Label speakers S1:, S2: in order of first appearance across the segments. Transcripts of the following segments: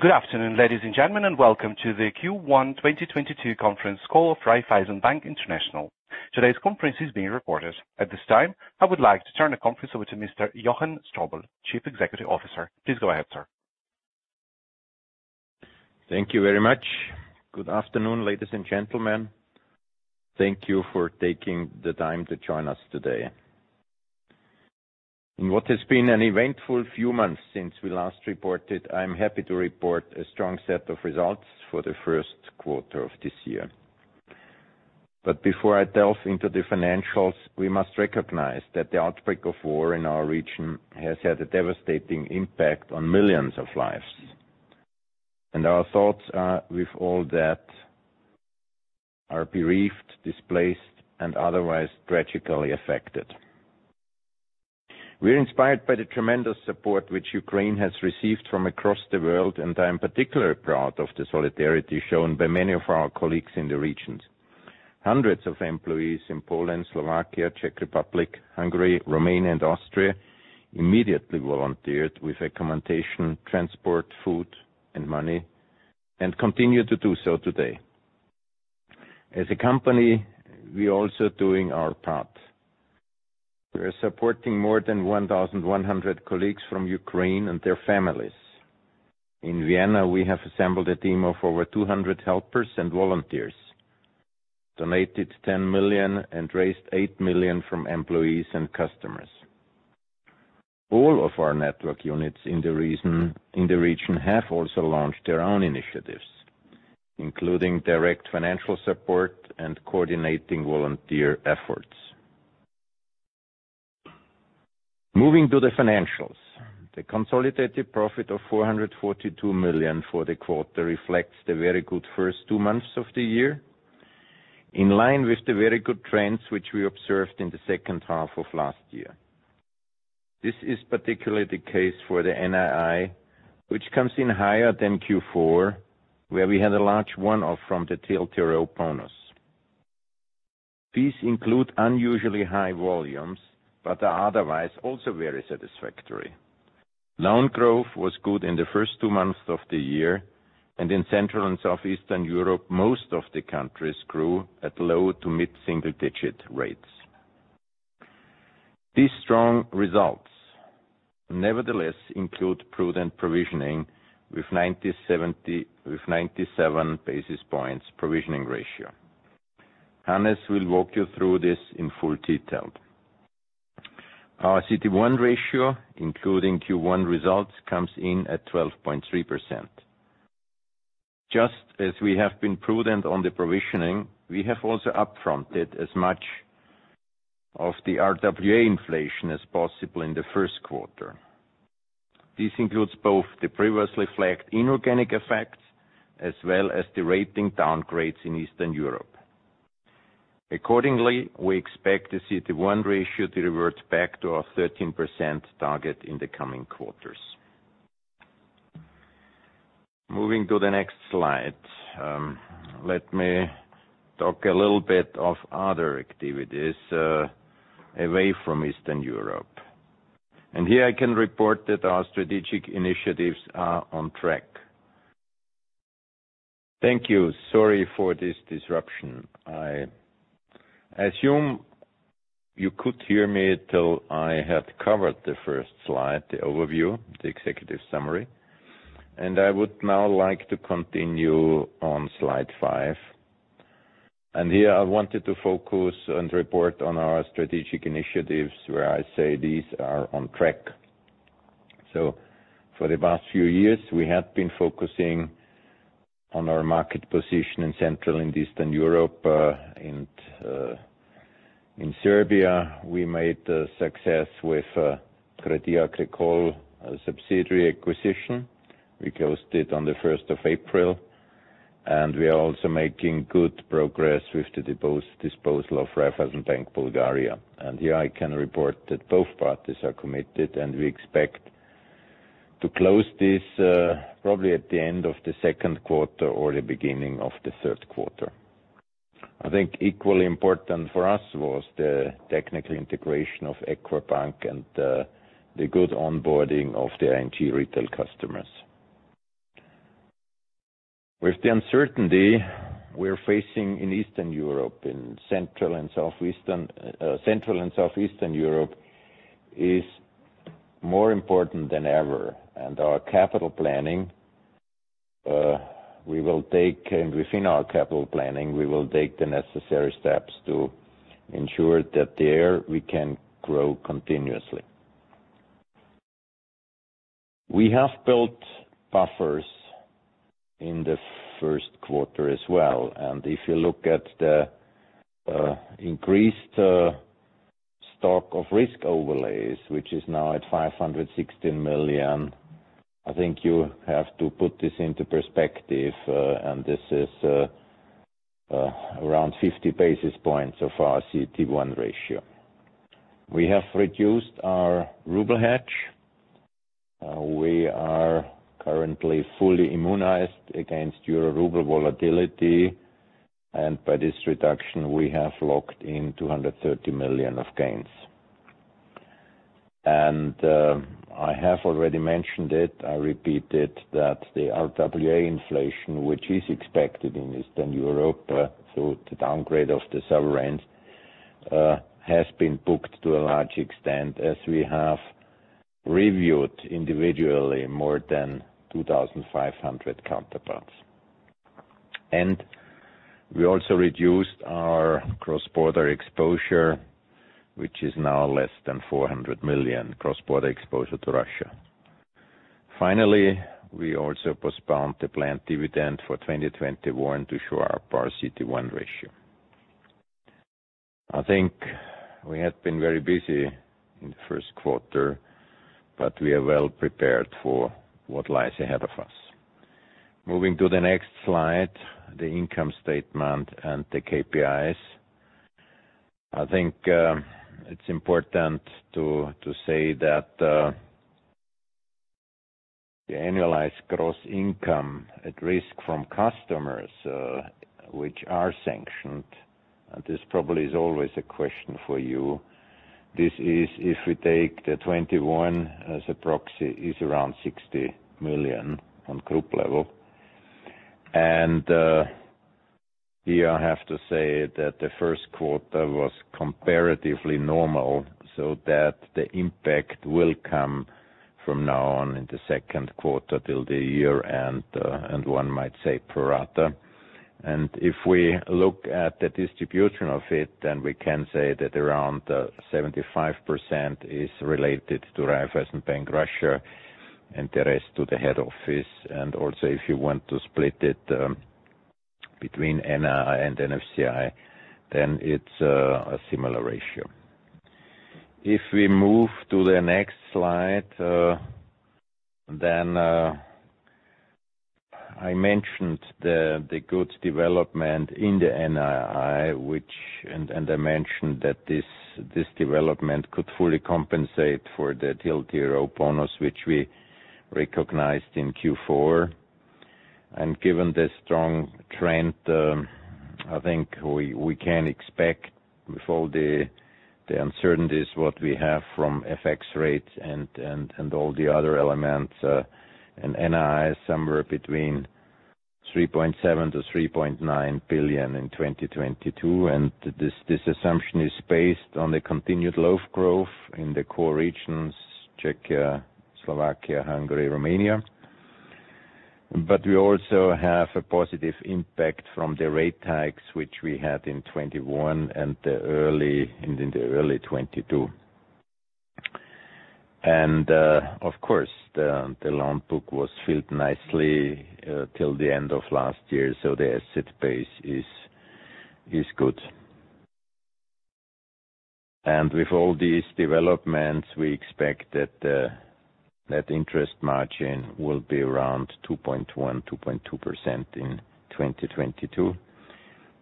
S1: Good afternoon, ladies and gentlemen, and welcome to the First Quarter 2022 Conference Call of Raiffeisen Bank International. Today's conference is being recorded. At this time, I would like to turn the conference over to Mr. Johann Strobl, Chief Executive Officer. Please go ahead, sir.
S2: Thank you very much. Good afternoon, ladies and gentlemen. Thank you for taking the time to join us today. In what has been an eventful few months since we last reported, I am happy to report a strong set of results for the first quarter of this year. Before I delve into the financials, we must recognize that the outbreak of war in our region has had a devastating impact on millions of lives. Our thoughts are with all that are bereaved, displaced, and otherwise tragically affected. We're inspired by the tremendous support which Ukraine has received from across the world, and I am particularly proud of the solidarity shown by many of our colleagues in the regions. Hundreds of employees in Poland, Slovakia, Czech Republic, Hungary, Romania, and Austria immediately volunteered with accommodation, transport, food, and money, and continue to do so today. As a company, we're also doing our part. We are supporting more than 1,100 colleagues from Ukraine and their families. In Vienna, we have assembled a team of over 200 helpers and volunteers, donated 10 million, and raised 8 million from employees and customers. All of our network units in the region have also launched their own initiatives, including direct financial support and coordinating volunteer efforts. Moving to the financials, the consolidated profit of 442 million for the quarter reflects the very good first two months of the year, in line with the very good trends which we observed in the second half of last year. This is particularly the case for the NII, which comes in higher than fourth quarter, where we had a large one-off from the TLTRO bonus. These include unusually high volumes but are otherwise also very satisfactory. Loan growth was good in the first two months of the year, and in Central and Southeastern Europe, most of the countries grew at low- to mid-single-digit rates. These strong results nevertheless include prudent provisioning with 97-basis points provisioning ratio. Hannes will walk you through this in full detail. Our CET1 ratio, including first quarter results, comes in at 12.3%. Just as we have been prudent on the provisioning, we have also upfronted as much of the RWA inflation as possible in the first quarter. This includes both the previously flagged inorganic effects as well as the rating downgrades in Eastern Europe. Accordingly, we expect the CET1 ratio to revert back to our 13% target in the coming quarters. Moving to the next slide, let me talk a little bit of other activities away from Eastern Europe. Here I can report that our strategic initiatives are on track. Thank you. Sorry for this disruption. I assume you could hear me till I had covered the first slide, the overview, the executive summary, and I would now like to continue on slide five. Here I wanted to focus and report on our strategic initiatives where I say these are on track. For the past few years, we have been focusing on our market position in Central and Eastern Europe. In Serbia, we had success with Crédit Agricole subsidiary acquisition. We closed it on the first of April, and we are also making good progress with the disposal of Raiffeisenbank Bulgaria. Here I can report that both parties are committed, and we expect to close this probably at the end of the second quarter or the beginning of the third quarter. I think equally important for us was the technical integration of Equa bank and the good onboarding of the ING retail customers. With the uncertainty we're facing in Eastern Europe, in Central and Southeastern Europe is more important than ever. Within our capital planning, we will take the necessary steps to ensure that there we can grow continuously. We have built buffers in the first quarter as well, and if you look at the increased stock of risk overlays, which is now at 516 million, I think you have to put this into perspective, and this is around 50-basis points of our CET1 ratio. We have reduced our ruble hedge. We are currently fully immunized against euro-ruble volatility, and by this reduction, we have locked in 230 million of gains. I have already mentioned it, I repeat it, that the RWA inflation, which is expected in Eastern Europe through the downgrade of the sovereigns, has been booked to a large extent as we have reviewed individually more than 2,500 counterparts. We also reduced our cross-border exposure, which is now less than 400 million cross-border exposure to Russia. Finally, we also postponed the planned dividend for 2021 to bolster our CET1 ratio. I think we have been very busy in the first quarter, but we are well prepared for what lies ahead of us. Moving to the next slide, the income statement and the KPIs. I think it's important to say that the annualized gross income at risk from customers which are sanctioned, and this probably is always a question for you. This is if we take the 2021 as a proxy, is around 60 million on group level. Here I have to say that the first quarter was comparatively normal, so that the impact will come from now on in the second quarter till the year, and one might say pro rata. If we look at the distribution of it, then we can say that around 75% is related to Raiffeisen Bank Russia and the rest to the head office. Also, if you want to split it between NII and NFCI, then it's a similar ratio. If we move to the next slide, then I mentioned the good development in the NII, and I mentioned that this development could fully compensate for the TLTRO bonus, which we recognized in fourth quarter. Given the strong trend, I think we can expect with all the uncertainties what we have from FX rates and all the other elements an NII somewhere between 3.7 to 3.9 billion in 2022. This assumption is based on the continued low growth in the core regions, Czechia, Slovakia, Hungary, Romania. We also have a positive impact from the rate hikes, which we had in 2021 and in the early 2022. Of course, the loan book was filled nicely till the end of last year, so the asset base is good. With all these developments, we expect that net interest margin will be around 2.1% to 2.2% in 2022.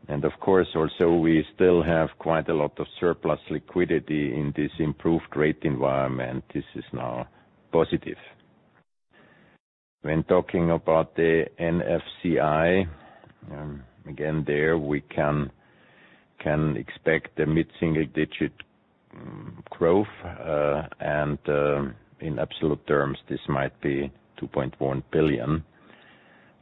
S2: Of course, also we still have quite a lot of surplus liquidity in this improved rate environment. This is now positive. When talking about the NFCI, again, there we can expect the mid-single digit growth, and in absolute terms, this might be 2.1 billion.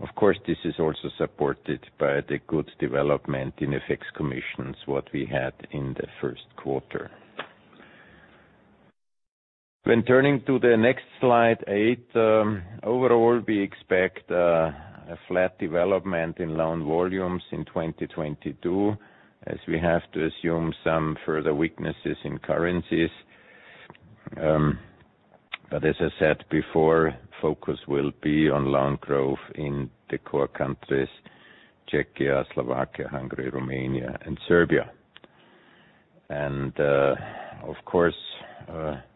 S2: Of course, this is also supported by the good development in FX commissions, what we had in the first quarter. When turning to the next slide eight, overall, we expect a flat development in loan volumes in 2022, as we have to assume some further weaknesses in currencies. But as I said before, focus will be on loan growth in the core countries, Czechia, Slovakia, Hungary, Romania and Serbia. Of course,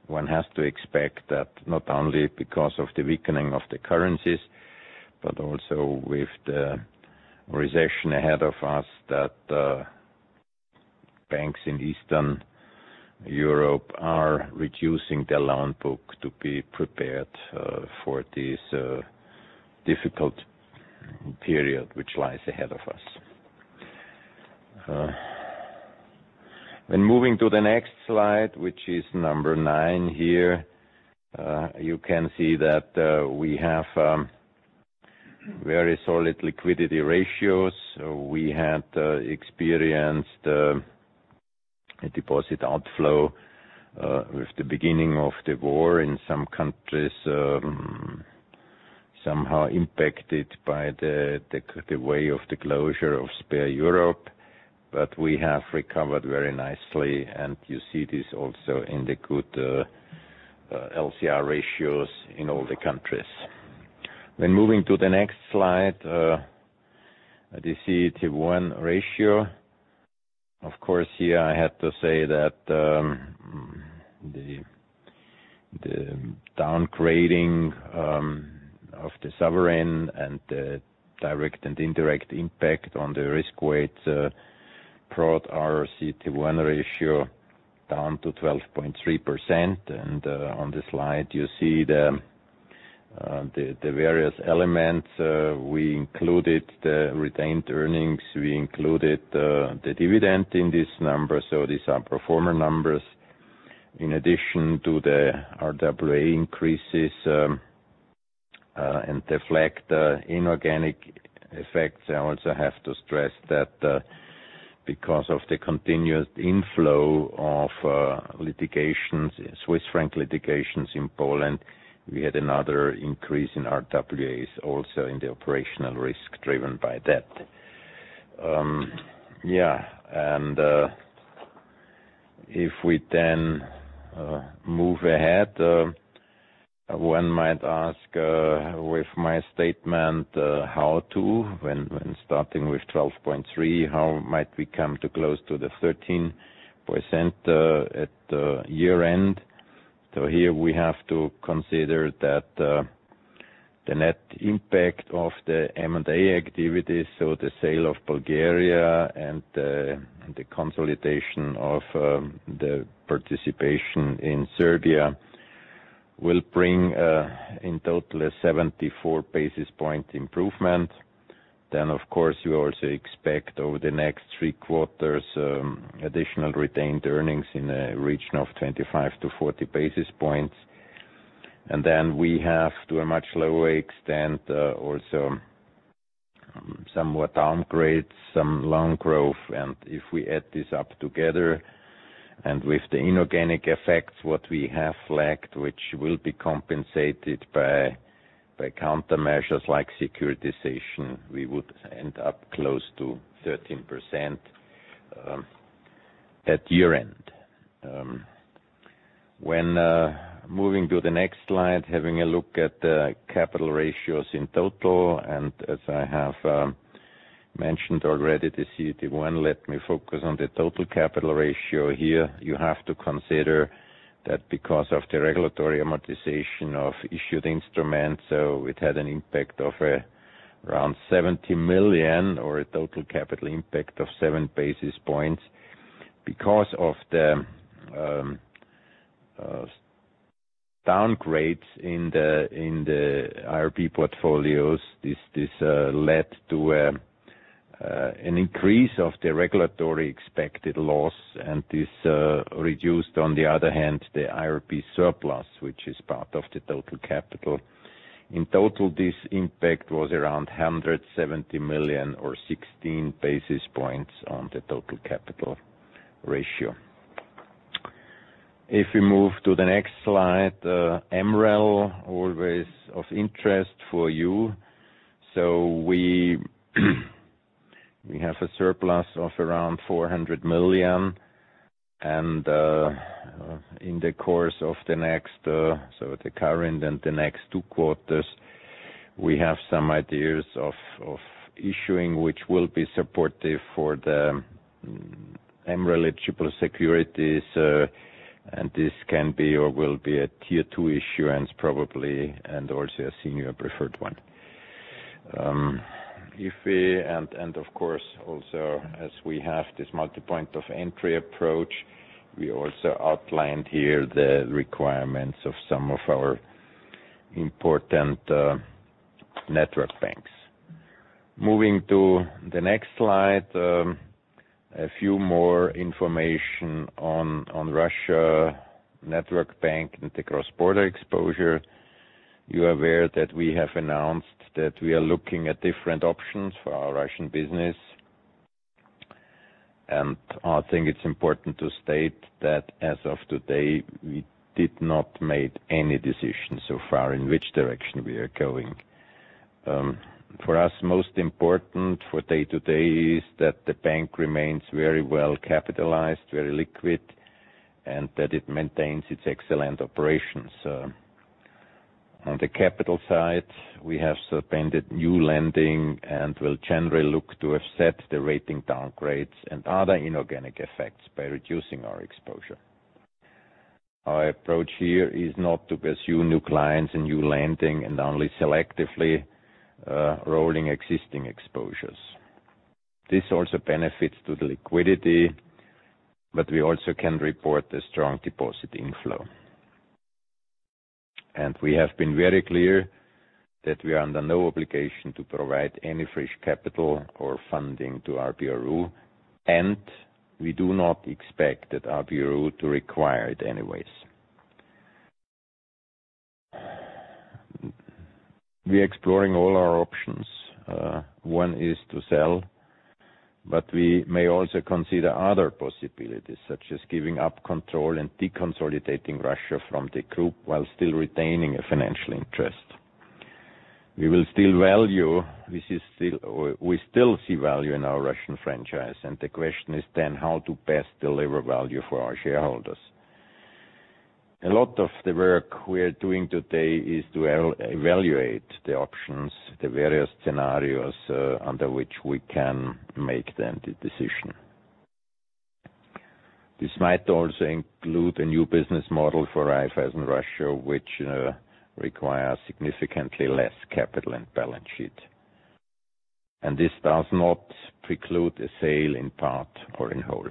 S2: one has to expect that not only because of the weakening of the currencies, but also with the recession ahead of us, that banks in Eastern Europe are reducing their loan book to be prepared for this difficult period which lies ahead of us. When moving to the next slide, which is number nine here, you can see that we have very solid liquidity ratios. We had experienced a deposit outflow with the beginning of the war in some countries, somehow impacted by the way of the closure of Sberbank Europe. We have recovered very nicely, and you see this also in the good LCR ratios in all the countries. When moving to the next slide, the CET1 ratio. Of course, here I have to say that the downgrading of the sovereign and the direct and indirect impact on the risk weight brought our CET1 ratio down to 12.3%. On the slide you see the various elements, we included the retained earnings, we included the dividend in this number, so these are pro forma numbers. In addition to the RWA increases, and direct inorganic effects. I also have to stress that, because of the continuous inflow of litigations, Swiss franc litigations in Poland, we had another increase in RWAs, also in the operational risk driven by that. If we then move ahead, one might ask, with my statement, how, when starting with 12.3%, how might we come to close to the 13% at year-end? Here, we have to consider that the net impact of the M&A activity, so the sale of Bulgaria and the consolidation of the participation in Serbia will bring in total a 74-basis point improvement. Of course, you also expect over the next three quarters, additional retained earnings in a region of 25 to 40-basis points. We have, to a much lower extent, also, somewhat downgrades, some loan growth. If we add this up together and with the inorganic effects, what we have lacked, which will be compensated by countermeasures like securitization, we would end up close to 13% at year-end. When moving to the next slide, having a look at the capital ratios in total, and as I have mentioned already, the CET1, let me focus on the total capital ratio here. You have to consider that because of the regulatory amortization of issued instruments, so it had an impact of around 70 million or a total capital impact of 7-basis points. Because of the downgrades in the IRB portfolios, this led to an increase of the regulatory expected loss, and this reduced, on the other hand, the IRB surplus, which is part of the total capital. In total, this impact was around 170 million or 16-basis points on the total capital ratio. If we move to the next slide, MREL, always of interest for you. We have a surplus of around 400 million. In the course of the current and the next two quarters, we have some ideas of issuing, which will be supportive for the MREL-eligible securities. This can be or will be a tier II issuance, probably, and also a senior preferred one. Of course, also, as we have this Multiple Point of Entry approach, we also outlined here the requirements of some of our important network banks. Moving to the next slide, a few more information on Russian network bank and the cross-border exposure. You're aware that we have announced that we are looking at different options for our Russian business. I think it's important to state that as of today, we did not made any decision so far in which direction we are going. For us, most important for day to day is that the bank remains very well capitalized, very liquid, and that it maintains its excellent operations. On the capital side, we have suspended new lending and will generally look to offset the rating downgrades and other inorganic effects by reducing our exposure. Our approach here is not to pursue new clients and new lending and only selectively rolling existing exposures. This also benefits to the liquidity, but we also can report a strong deposit inflow. We have been very clear that we are under no obligation to provide any fresh capital or funding to RBI RU, and we do not expect that RBI RU to require it anyways. We're exploring all our options. One is to sell, but we may also consider other possibilities, such as giving up control and deconsolidating Russia from the group while still retaining a financial interest. We still see value in our Russian franchise, and the question is then how to best deliver value for our shareholders. A lot of the work we're doing today is to evaluate the options, the various scenarios, under which we can make then the decision. This might also include a new business model for Raiffeisen Russia, which requires significantly less capital and balance sheet. This does not preclude a sale in part or in whole.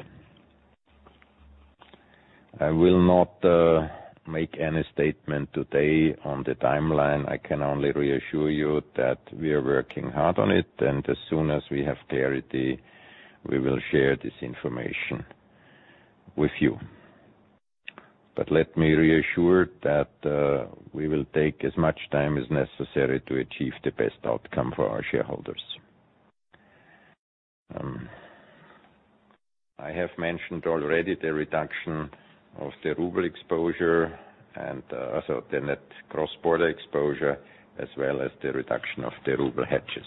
S2: I will not make any statement today on the timeline. I can only reassure you that we are working hard on it, and as soon as we have clarity, we will share this information with you. Let me reassure that we will take as much time as necessary to achieve the best outcome for our shareholders. I have mentioned already the reduction of the ruble exposure and so the net cross-border exposure as well as the reduction of the ruble hedges.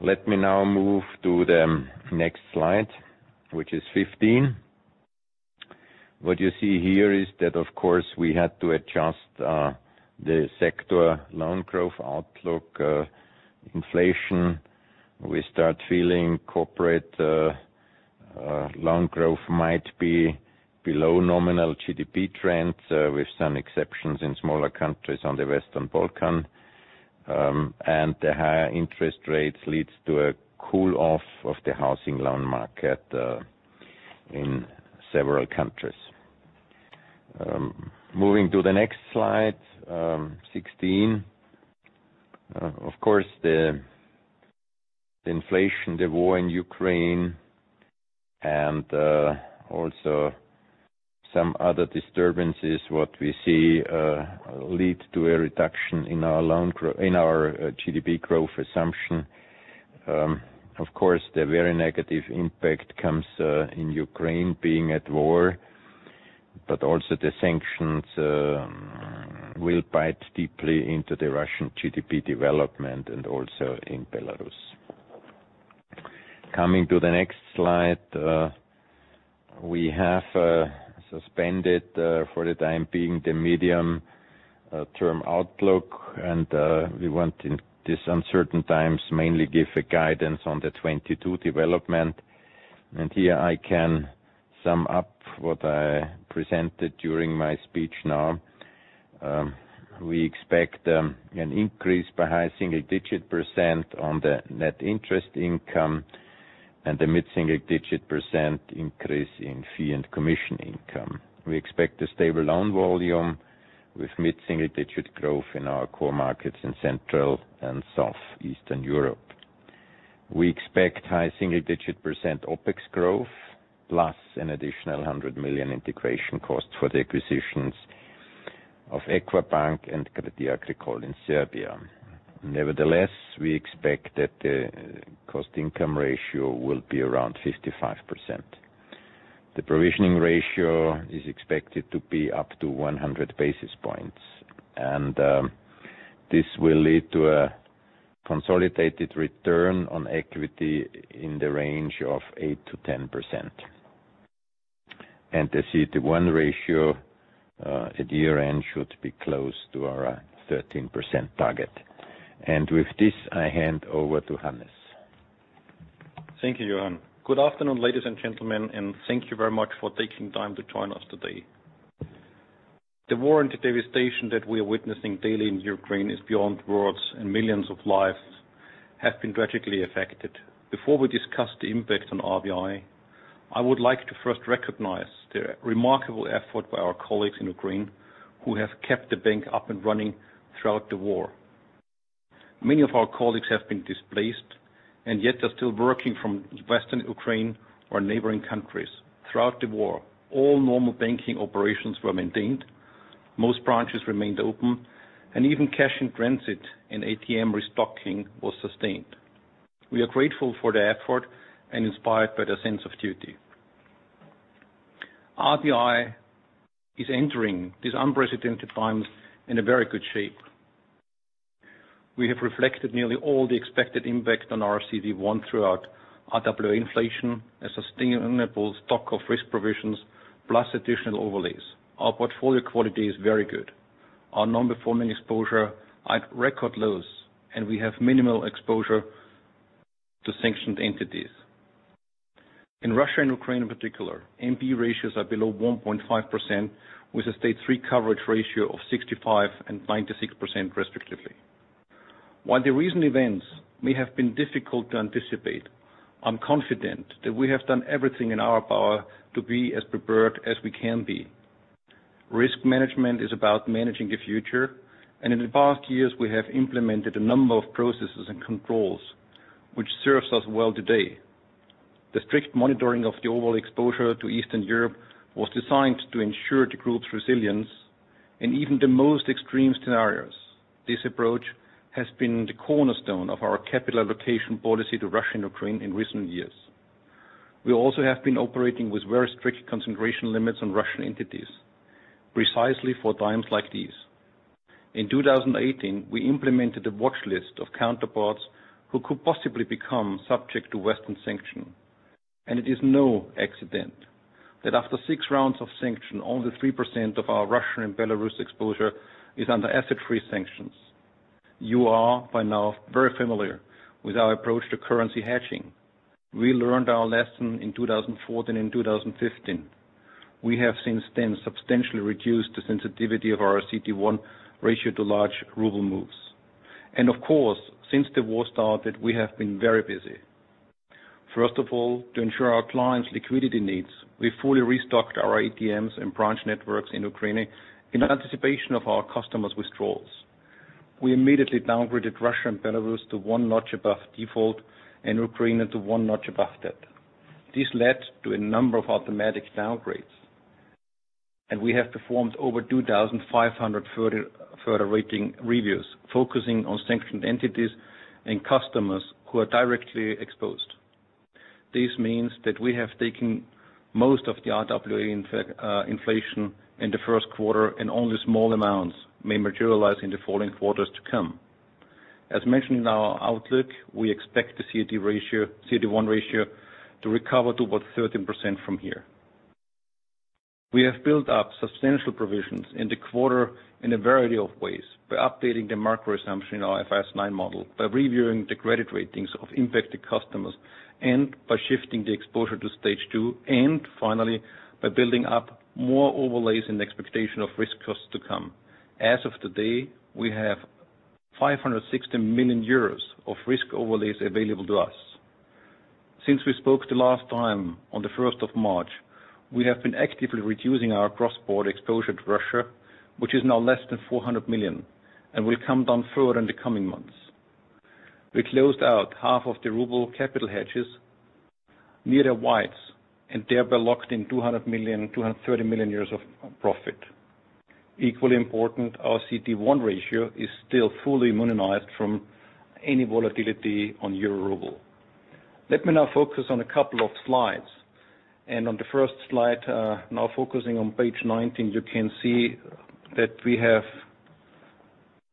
S2: Let me now move to the next slide, which is 15. What you see here is that, of course, we had to adjust the sector loan growth outlook, inflation. We start feeling corporate loan growth might be below nominal GDP trends, with some exceptions in smaller countries on the Western Balkans. The higher interest rates leads to a cool off of the housing loan market in several countries. Moving to the next slide, 16. Of course, the inflation, the war in Ukraine and also some other disturbances, what we see, lead to a reduction in our GDP growth assumption. Of course, the very negative impact comes in Ukraine being at war, but also the sanctions will bite deeply into the Russian GDP development and also in Belarus. Coming to the next slide, we have suspended for the time being the medium term outlook. We want in this uncertain times mainly give a guidance on the 2022 development. Here I can sum up what I presented during my speech now. We expect an increase by high single-digit percent on the net interest income and the mid-single-digit percent increase in fee and commission income. We expect a stable loan volume with mid-single-digit growth in our core markets in Central and Southeastern Europe. We expect high single-digit percent OpEx growth, plus an additional 100 million integration costs for the acquisitions of Equa bank and Crédit Agricole in Serbia. Nevertheless, we expect that the cost-income ratio will be around 55%. The provisioning ratio is expected to be up to 100-basis points, and this will lead to a consolidated return on equity in the range of 8% to 10%. The CET1 ratio at year-end should be close to our 13% target. With this, I hand over to Hannes.
S3: Thank you, Johann. Good afternoon, ladies and gentlemen, and thank you very much for taking time to join us today. The war and the devastation that we are witnessing daily in Ukraine is beyond words, and millions of lives have been tragically affected. Before we discuss the impact on RBI, I would like to first recognize the remarkable effort by our colleagues in Ukraine who have kept the bank up and running throughout the war. Many of our colleagues have been displaced, and yet they're still working from Western Ukraine or neighboring countries. Throughout the war, all normal banking operations were maintained, most branches remained open, and even cash in transit and ATM restocking was sustained. We are grateful for the effort and inspired by their sense of duty. RBI is entering these unprecedented times in a very good shape. We have reflected nearly all the expected impact on our CET1 throughout RWA inflation, a sustainable stock of risk provisions, plus additional overlays. Our portfolio quality is very good. Our non-performing exposure at record lows, and we have minimal exposure to sanctioned entities. In Russia and Ukraine in particular, NPE ratios are below 1.5%, with a stage 3 coverage ratio of 65% and 96%, respectively. While the recent events may have been difficult to anticipate, I'm confident that we have done everything in our power to be as prepared as we can be. Risk management is about managing the future, and in the past years, we have implemented a number of processes and controls which serves us well today. The strict monitoring of the overall exposure to Eastern Europe was designed to ensure the group's resilience in even the most extreme scenarios. This approach has been the cornerstone of our capital allocation policy to Russia and Ukraine in recent years. We also have been operating with very strict concentration limits on Russian entities, precisely for times like these. In 2018, we implemented a watchlist of counterparts who could possibly become subject to Western sanction. It is no accident that after six rounds of sanction, only 3% of our Russian and Belarus exposure is under asset-free sanctions. You are by now very familiar with our approach to currency hedging. We learned our lesson in 2014 and 2015. We have since then substantially reduced the sensitivity of our CET1 ratio to large ruble moves. Of course, since the war started, we have been very busy. First of all, to ensure our clients' liquidity needs, we fully restocked our ATMs and branch networks in Ukraine in anticipation of our customers withdrawals. We immediately downgraded Russia and Belarus to one notch above default and Ukraine into one notch above debt. This led to a number of automatic downgrades, and we have performed over 2,500 further rating reviews, focusing on sanctioned entities and customers who are directly exposed. This means that we have taken most of the RWA inflation in the first quarter, and only small amounts may materialize in the following quarters to come. As mentioned in our outlook, we expect the CET1 ratio to recover to about 13% from here. We have built up substantial provisions in the quarter in a variety of ways by updating the macro assumption in our IFRS 9 model, by reviewing the credit ratings of impacted customers, and by shifting the exposure to stage 2, and finally by building up more overlays in the expectation of risk costs to come. As of today, we have 560 million euros of risk overlays available to us. Since we spoke the last time on the first of March, we have been actively reducing our cross-border exposure to Russia, which is now less than 400 million, and will come down further in the coming months. We closed out half of the ruble capital hedges near the wides, and thereby locked in 200 million, 230 million of profit. Equally important, our CET1 ratio is still fully immunized from any volatility on euro-ruble. Let me now focus on a couple of slides. On the first slide, now focusing on page 19, you can see that we have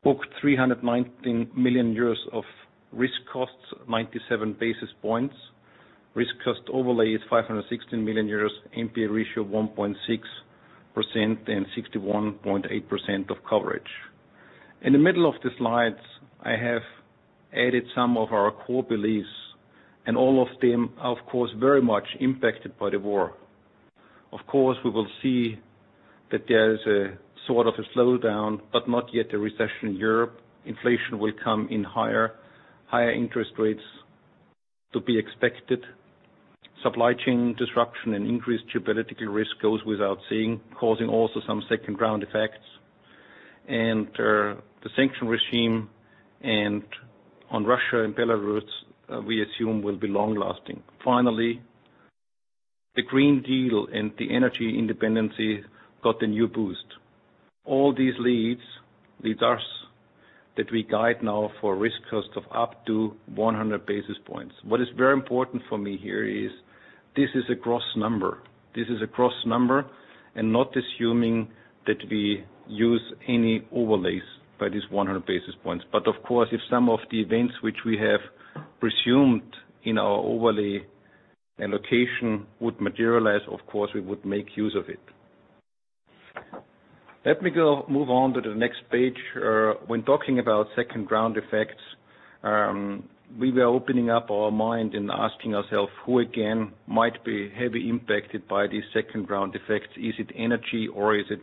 S3: booked 319 million euros of risk costs, 97-basis points. Risk cost overlay is 516 million euros, NPE ratio 1.6%, and 61.8% of coverage. In the middle of the slides, I have added some of our core beliefs, and all of them, of course, very much impacted by the war. Of course, we will see that there is a sort of a slowdown, but not yet a recession in Europe. Inflation will come in higher interest rates to be expected. Supply chain disruption and increased geopolitical risk goes without saying, causing also some second-round effects. The sanctions regime on Russia and Belarus, we assume will be long-lasting. Finally, the Green Deal and the energy independence got a new boost. All these leads us that we guide now for risk cost of up to 100-basis points. What is very important for me here is this is a gross number. This is a gross number and not assuming that we use any overlays by these 100-basis points. But of course, if some of the events which we have presumed in our overlay allocation would materialize, of course, we would make use of it. Let me move on to the next page. When talking about second-round effects, we were opening up our mind and asking ourselves who again might be heavily impacted by these second-round effects. Is it energy or is it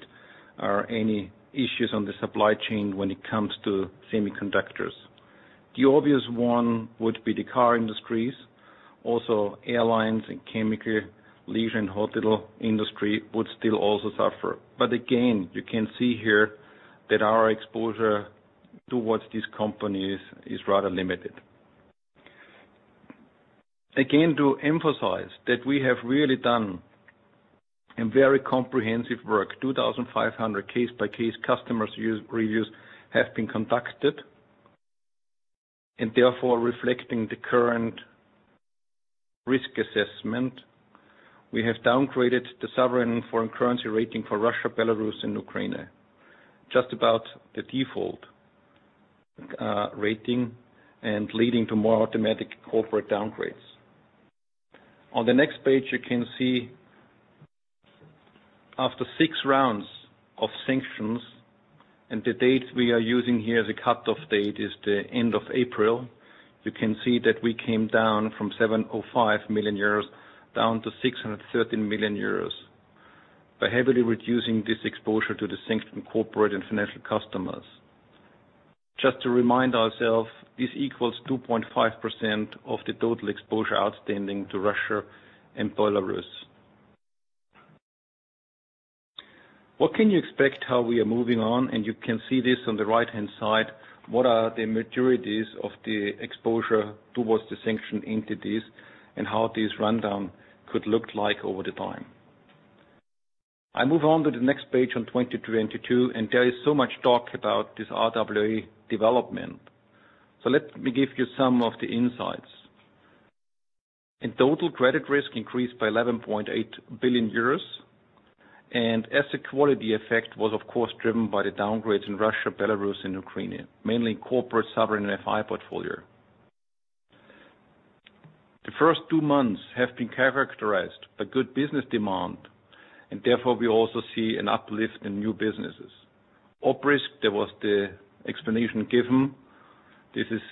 S3: any issues on the supply chain when it comes to semiconductors? The obvious one would be the car industries, also airlines and chemical, leisure and hotel industry would still also suffer. Again, you can see here that our exposure towards these companies is rather limited. Again, to emphasize that we have really done a very comprehensive work, 2,500 case-by-case customer reviews have been conducted, and therefore reflecting the current risk assessment. We have downgraded the sovereign foreign currency rating for Russia, Belarus, and Ukraine, just about the default rating and leading to more automatic corporate downgrades. On the next page, you can see after six rounds of sanctions, and the date we are using here, the cutoff date is the end of April. You can see that we came down from 705 million euros, down to 613 million euros by heavily reducing this exposure to the sanctioned corporate and financial customers. Just to remind ourselves, this equals 2.5% of the total exposure outstanding to Russia and Belarus. What can you expect how we are moving on? You can see this on the right-hand side, what are the maturities of the exposure towards the sanctioned entities and how this rundown could look like over time. I move on to the next page on 2022, and there is so much talk about this RWA development. Let me give you some of the insights. In total, credit risk increased by 11.8 billion euros, and asset quality effect was of course driven by the downgrades in Russia, Belarus, and Ukraine, mainly in corporate, sovereign, and FI portfolio. The first two months have been characterized by good business demand, and therefore we also see an uplift in new businesses. Op risk, there was the explanation given. This is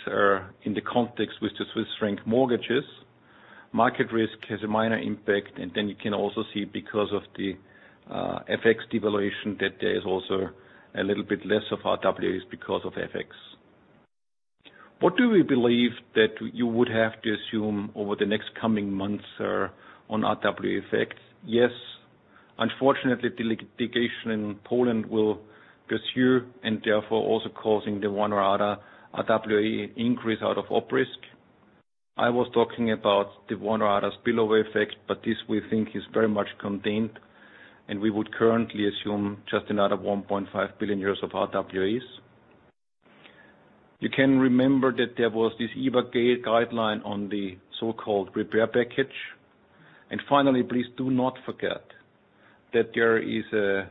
S3: in the context with the Swiss franc mortgages. Market risk has a minor impact, and then you can also see because of the FX devaluation that there is also a little bit less of RWAs because of FX. What do we believe that you would have to assume over the next coming months, sir, on RWA effects? Yes, unfortunately, the litigation in Poland will pursue and therefore also causing the one or other RWA increase out of op risk. I was talking about the one or other spillover effect, but this we think is very much contained, and we would currently assume just another 1.5 billion euros of RWAs. You can remember that there was this EBA guideline on the so-called repair package. Finally, please do not forget that there is a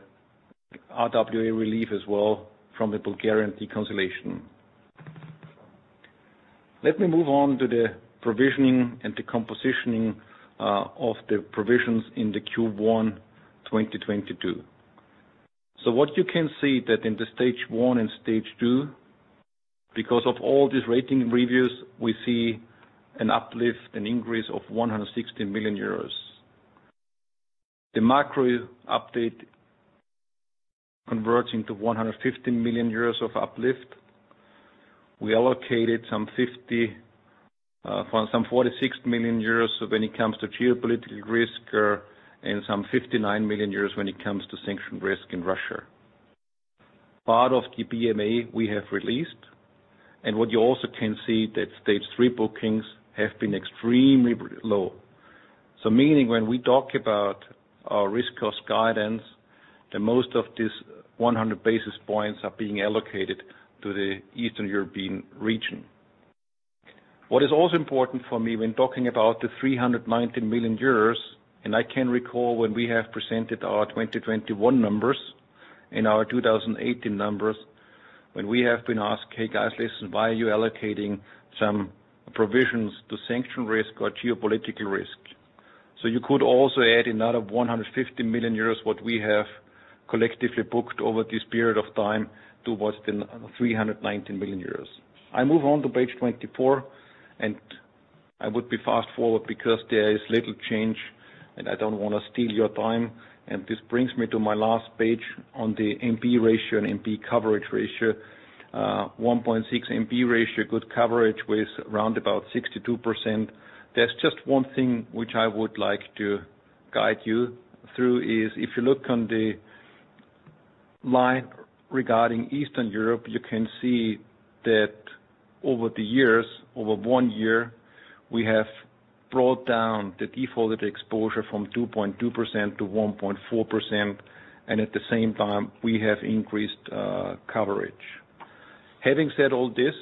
S3: RWA relief as well from the Bulgarian deconsolidation. Let me move on to the provisioning and the composition of the provisions in the first quarter 2022. What you can see that in the stage 1 and stage 2, because of all these rating reviews, we see an uplift, an increase of 160 million euros. The macro update converts into 150 million euros of uplift. We allocated some 50 million, some 46 million euros so when it comes to geopolitical risk, and some 59 million euros when it comes to sanction risk in Russia. Part of the PMA we have released. What you also can see that stage 3 bookings have been extremely low. Meaning when we talk about our risk cost guidance, that most of these 100-basis points are being allocated to the Eastern European region. What is also important for me when talking about the 390 million euros, and I can recall when we have presented our 2021 numbers and our 2018 numbers, when we have been asked, "Hey, guys, listen, why are you allocating some provisions to sanction risk or geopolitical risk?" You could also add another 150 million euros, what we have collectively booked over this period of time, towards the 390 million euros. I move on to page 24, and I would be fast forward because there is little change and I don't want to steal your time. This brings me to my last page on the NP ratio and NP coverage ratio. 1.6% NP ratio, good coverage with around about 62%. There's just one thing which I would like to guide you through is if you look on the line regarding Eastern Europe, you can see that over the years, over one year, we have brought down the defaulted exposure from 2.2% to 1.4%, and at the same time, we have increased coverage. Having said all this,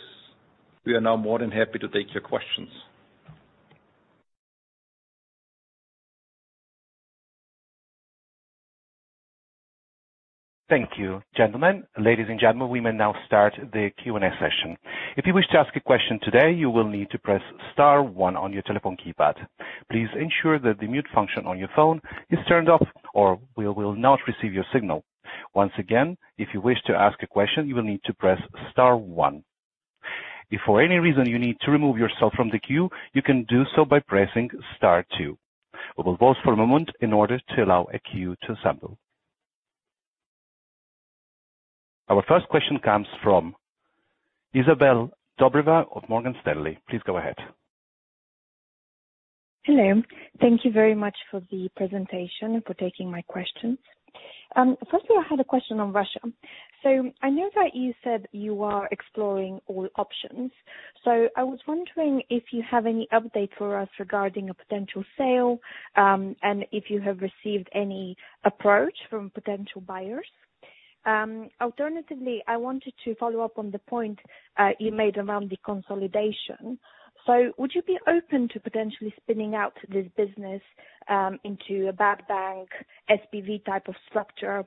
S3: we are now more than happy to take your questions.
S1: Thank you, gentlemen. Ladies and gentlemen, we may now start the Q&A session. If you wish to ask a question today, you will need to press star one on your telephone keypad. Please ensure that the mute function on your phone is turned off or we will not receive your signal. Once again, if you wish to ask a question, you will need to press star one. If for any reason you need to remove yourself from the queue, you can do so by pressing star two. We will pause for a moment in order to allow a queue to assemble. Our first question comes from Isabelle Duerbeck of Morgan Stanley. Please go ahead.
S4: Hello. Thank you very much for the presentation, for taking my questions. Firstly, I had a question on Russia. I was wondering if you have any update for us regarding a potential sale, and if you have received any approach from potential buyers. Alternatively, I wanted to follow up on the point you made around the consolidation. Would you be open to potentially spinning out this business into a bad bank SPV type of structure?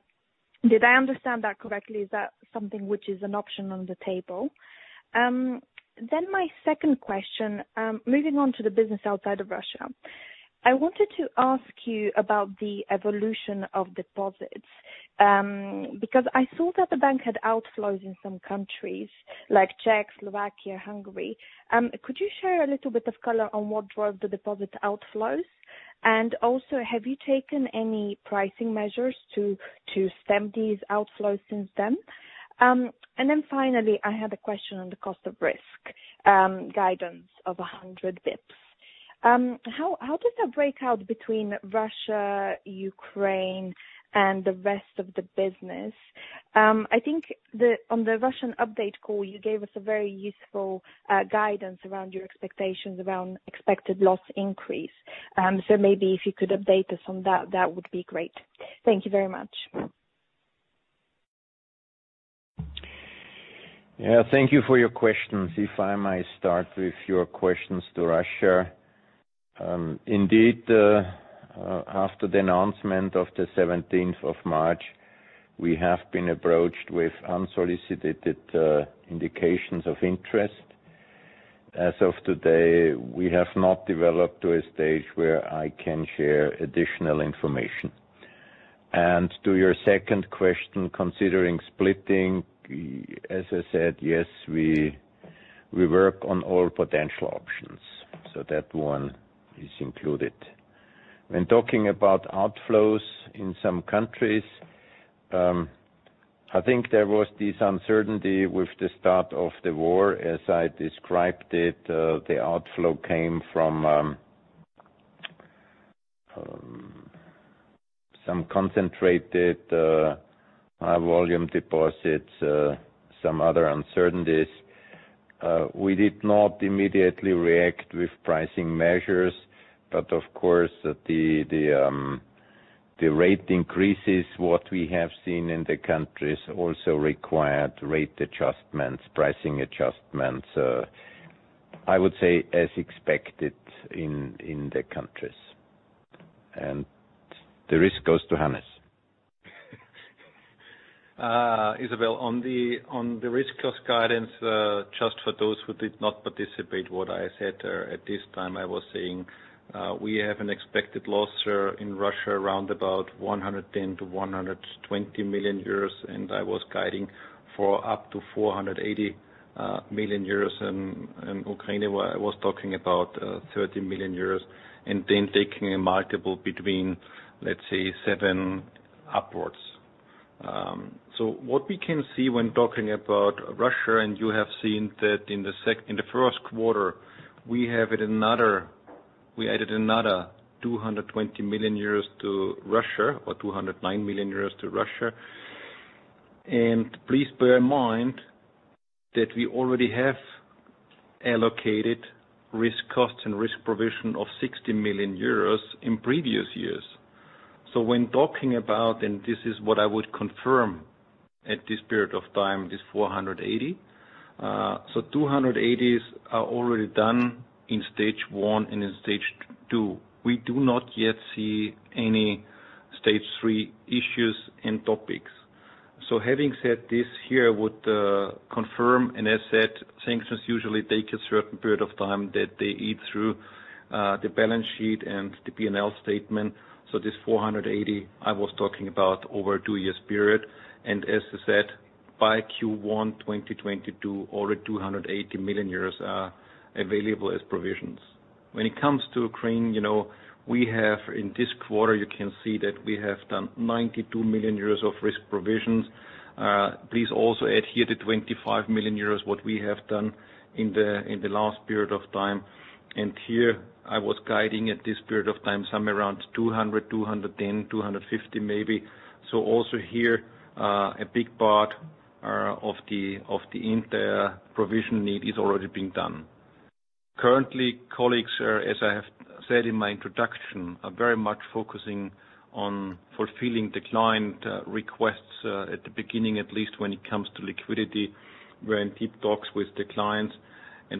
S4: Did I understand that correctly? Is that something which is an option on the table? My second question, moving on to the business outside of Russia. I wanted to ask you about the evolution of deposits, because I saw that the bank had outflows in some countries like Czech, Slovakia, Hungary. Could you share a little bit of color on what drove the deposit outflows? Also, have you taken any pricing measures to stem these outflows since then? Finally, I had a question on the cost of risk guidance of 100-basis points. How does that break out between Russia, Ukraine and the rest of the business? I think on the Russian update call, you gave us a very useful guidance around your expectations around expected loss increase. Maybe if you could update us on that would be great. Thank you very much.
S2: Yeah. Thank you for your questions. If I might start with your questions to Russia. Indeed, after the announcement of the seventeenth of March, we have been approached with unsolicited indications of interest. As of today, we have not developed to a stage where I can share additional information. To your second question, considering splitting, as I said, yes, we work on all potential options. That one is included. When talking about outflows in some countries, I think there was this uncertainty with the start of the war. As I described it, the outflow came from some concentrated high-volume deposits, some other uncertainties. We did not immediately react with pricing measures, but of course the rate increases that we have seen in the countries also required rate adjustments, pricing adjustments, I would say as expected in the countries. The risk goes to Hannes.
S3: Isabelle, on the risk cost guidance, just for those who did not participate what I said, at this time, I was saying, we have an expected loss in Russia around about 110 to 120 million and I was guiding for up to 480 million euros. In Ukraine, I was talking about 30 million euros and then taking a multiple between, let's say, seven upwards. What we can see when talking about Russia, and you have seen that in the first quarter, we added another 220 million euros to Russia or 209 million euros to Russia. Please bear in mind that we already have allocated risk costs and risk provision of 60 million euros in previous years. When talking about, and this is what I would confirm at this period of time, 480 million. 280 million are already done in stage 1 and in stage 2. We do not yet see any stage 3 issues and topics. Having said this I would confirm, and as said, sanctions usually take a certain period of time that they eat through the balance sheet and the P&L statement. 480 million, I was talking about over a two-year period. By first quarter 2022, already 280 million euros are available as provisions. When it comes to Ukraine, you know, we have, in this quarter, you can see that we have done 92 million euros of risk provisions. Please also add here the 25 million euros, what we have done in the last period of time. Here I was guiding at this period of time, somewhere around 200 million, 210 million, 250 million maybe. Also here, a big part of the entire provision need is already being done. Currently, colleagues, as I have said in my introduction, are very much focusing on fulfilling the client requests, at the beginning, at least when it comes to liquidity. We're in deep talks with the clients.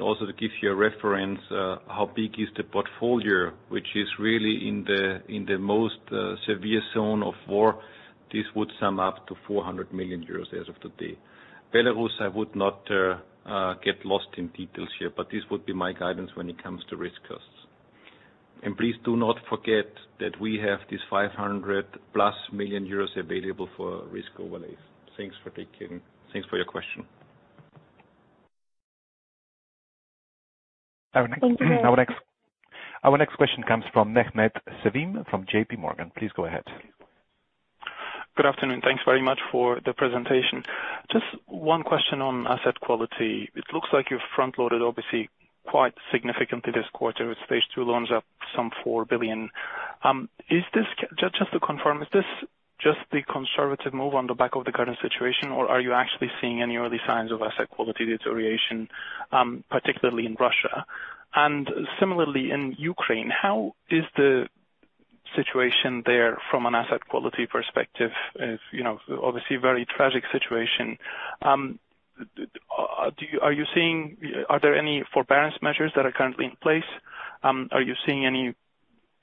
S3: Also to give you a reference, how big is the portfolio, which is really in the most severe zone of war, this would sum up to 400 million euros as of today. Belarus, I would not get lost in details here, but this would be my guidance when it comes to risk costs. Please do not forget that we have this 500 million euros+ available for risk overlays. Thanks for your question.
S1: Our next...
S4: Thank you very much.
S1: Our next question comes from Mehmet Sevim from JPMorgan. Please go ahead.
S5: Good afternoon. Thanks very much for the presentation. Just one question on asset quality. It looks like you've front-loaded obviously quite significantly this quarter with stage 2 loans up some 4 billion. Just to confirm, is this just the conservative move on the back of the current situation, or are you actually seeing any early signs of asset quality deterioration, particularly in Russia? And similarly in Ukraine, how is the situation there from an asset quality perspective? It's, you know, obviously a very tragic situation. Are there any forbearance measures that are currently in place? Are you seeing any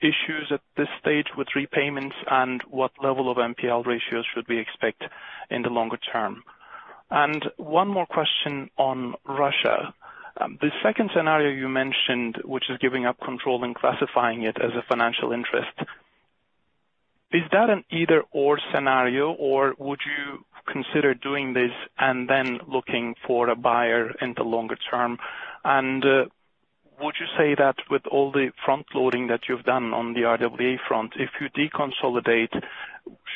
S5: issues at this stage with repayments, and what level of NPL ratios should we expect in the longer term? And one more question on Russia. The second scenario you mentioned, which is giving up control and classifying it as a financial interest, is that an either/or scenario, or would you consider doing this and then looking for a buyer in the longer term? Would you say that with all the front-loading that you've done on the RWA front, if you deconsolidate,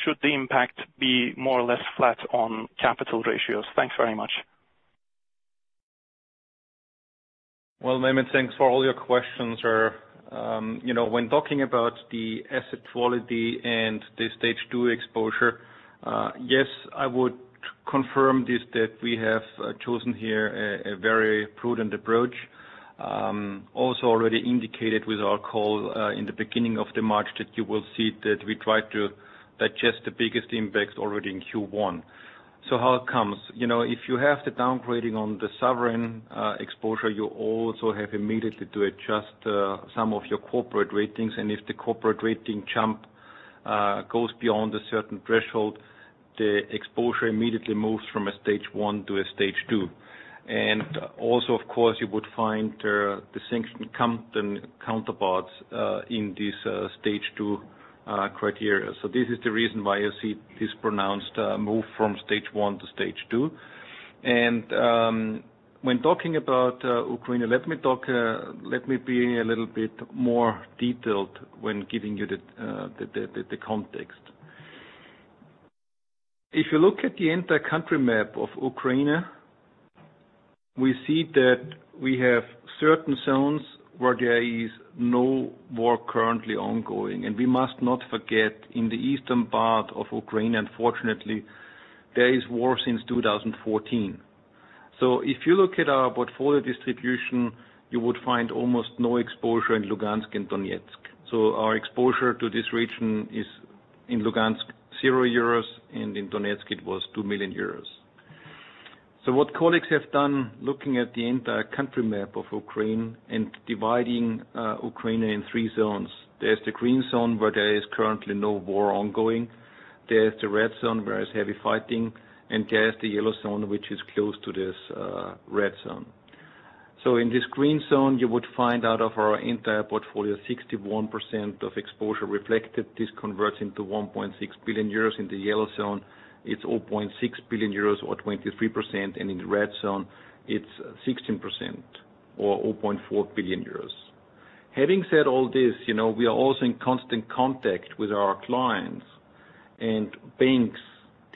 S5: should the impact be more or less flat on capital ratios? Thanks very much.
S3: Well, Mehmet, thanks for all your questions. You know, when talking about the asset quality and the stage two exposure, yes, I would confirm this, that we have chosen here a very prudent approach. Also already indicated with our call in the beginning of March that you will see that we try to digest the biggest impacts already in first quarter. How it comes, you know, if you have the downgrading on the sovereign exposure, you also have immediately to adjust some of your corporate ratings. If the corporate rating jump goes beyond a certain threshold, the exposure immediately moves from a stage one to a stage two. You would find the sanctioned counterparts in this stage two criteria. This is the reason why you see this pronounced move from stage 1 to stage 2. When talking about Ukraine, let me be a little bit more detailed when giving you the context. If you look at the entire country map of Ukraine, we see that we have certain zones where there is no war currently ongoing, and we must not forget, in the eastern part of Ukraine, unfortunately, there is war since 2014. If you look at our portfolio distribution, you would find almost no exposure in Luhansk and Donetsk. Our exposure to this region is in Luhansk, 0 euros, and in Donetsk it was 2 million euros. What colleagues have done, looking at the entire country map of Ukraine and dividing Ukraine in three zones. There's the green zone, where there is currently no war ongoing. There's the red zone, where there's heavy fighting, and there's the yellow zone, which is close to this red zone. In this green zone, you would find out of our entire portfolio 61% of exposure reflected. This converts into 1.6 billion euros. In the yellow zone, it's 0.6 billion euros or 23%. In the red zone it's 16% or 0.4 billion euros. Having said all this, you know, we are also in constant contact with our clients and banks.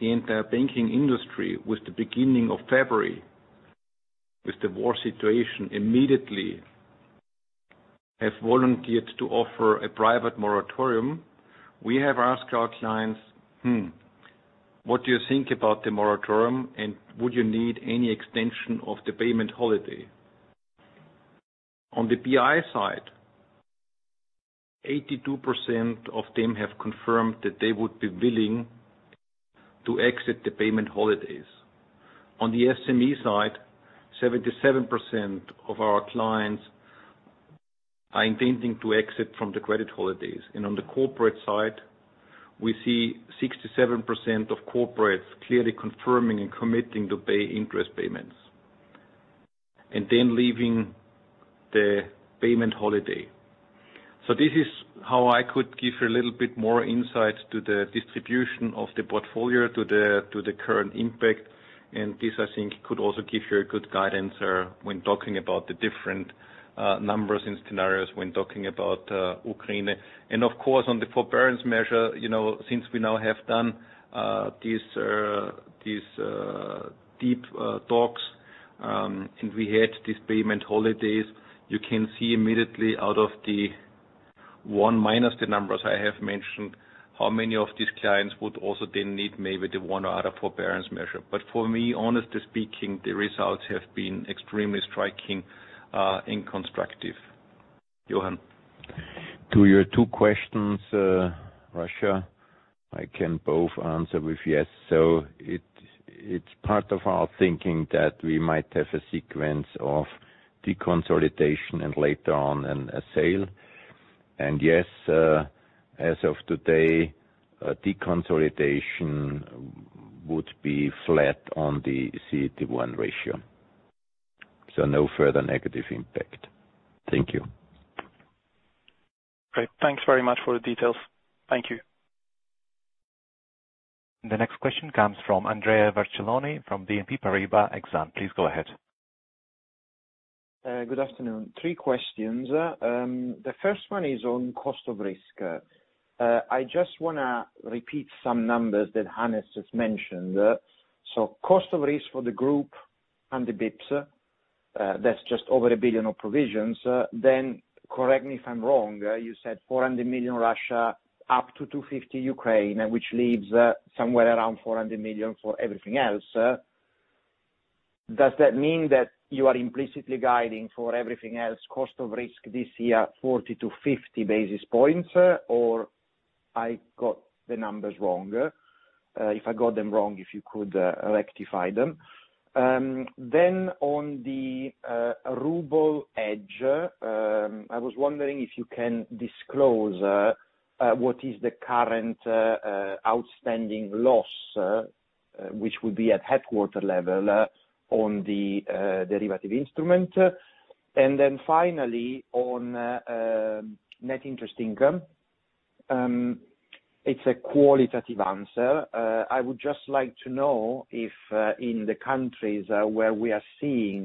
S3: The entire banking industry, with the beginning of February, with the war situation, immediately have volunteered to offer a private moratorium. We have asked our clients, "What do you think about the moratorium, and would you need any extension of the payment holiday?" On the BI side, 82% of them have confirmed that they would be willing to exit the payment holidays. On the SME side, 77% of our clients are intending to exit from the credit holidays. On the corporate side, we see 67% of corporates clearly confirming and committing to pay interest payments and then leaving the payment holiday. This is how I could give you a little bit more insight to the distribution of the portfolio to the current impact. This, I think, could also give you a good guidance when talking about the different numbers and scenarios when talking about Ukraine. Of course, on the forbearance measure, you know, since we now have done these deep talks, and we had these payment holidays, you can see immediately out of the one minus the numbers I have mentioned, how many of these clients would also then need maybe the one or other forbearance measure. For me, honestly speaking, the results have been extremely striking and constructive. Johann?
S2: To your two questions, Russia, I can both answer with yes. It's part of our thinking that we might have a sequence of deconsolidation and later on, a sale. Yes, as of today, deconsolidation would be flat on the CET1 ratio, so no further negative impact. Thank you.
S5: Great. Thanks very much for the details. Thank you.
S1: The next question comes from Andrea Vercelloni from BNP Paribas Exane. Please go ahead.
S6: Good afternoon. Three questions. The first one is on cost of risk. I just want to repeat some numbers that Hannes just mentioned. Cost of risk for the group and the BIPS, that's just over 1 billion of provisions. Then correct me if I'm wrong, you said 400 million Russia, up to 250 million Ukraine, which leaves, somewhere around 400 million for everything else. Does that mean that you are implicitly guiding for everything else cost of risk this year 40 to 50-basis points, or I got the numbers wrong? If I got them wrong, if you could, rectify them. Then on the ruble hedge, I was wondering if you can disclose what is the current outstanding loss, which would be at headquarters level, on the derivative instrument. Finally on net interest income, it's a qualitative answer. I would just like to know if in the countries where we are seeing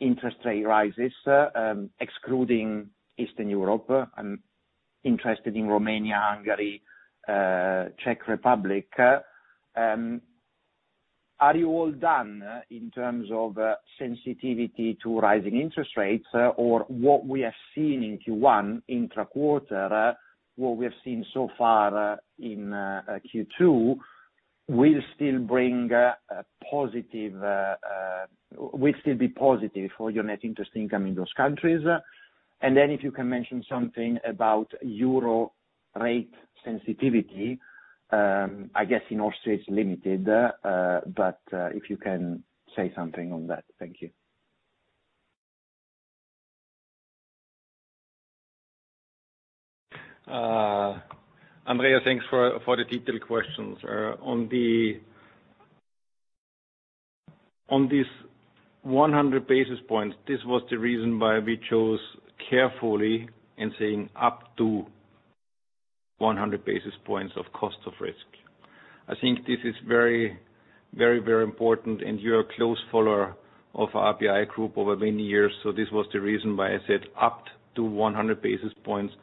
S6: interest rate rises, excluding Eastern Europe, I'm interested in Romania, Hungary, Czech Republic. Are you all done in terms of sensitivity to rising interest rates or what we have seen in first quarter intra-quarter, what we have seen so far in Q2 will still be positive for your net interest income in those countries. If you can mention something about euro rate sensitivity, if you can say something on that. Thank you.
S3: Andrea, thanks for the detailed questions. On this 100-basis points, this was the reason why we chose carefully in saying up to 100-basis points of cost of risk. I think this is very important, and you're a close follower of our BI group over many years. This was the reason why I said up to 100-basis points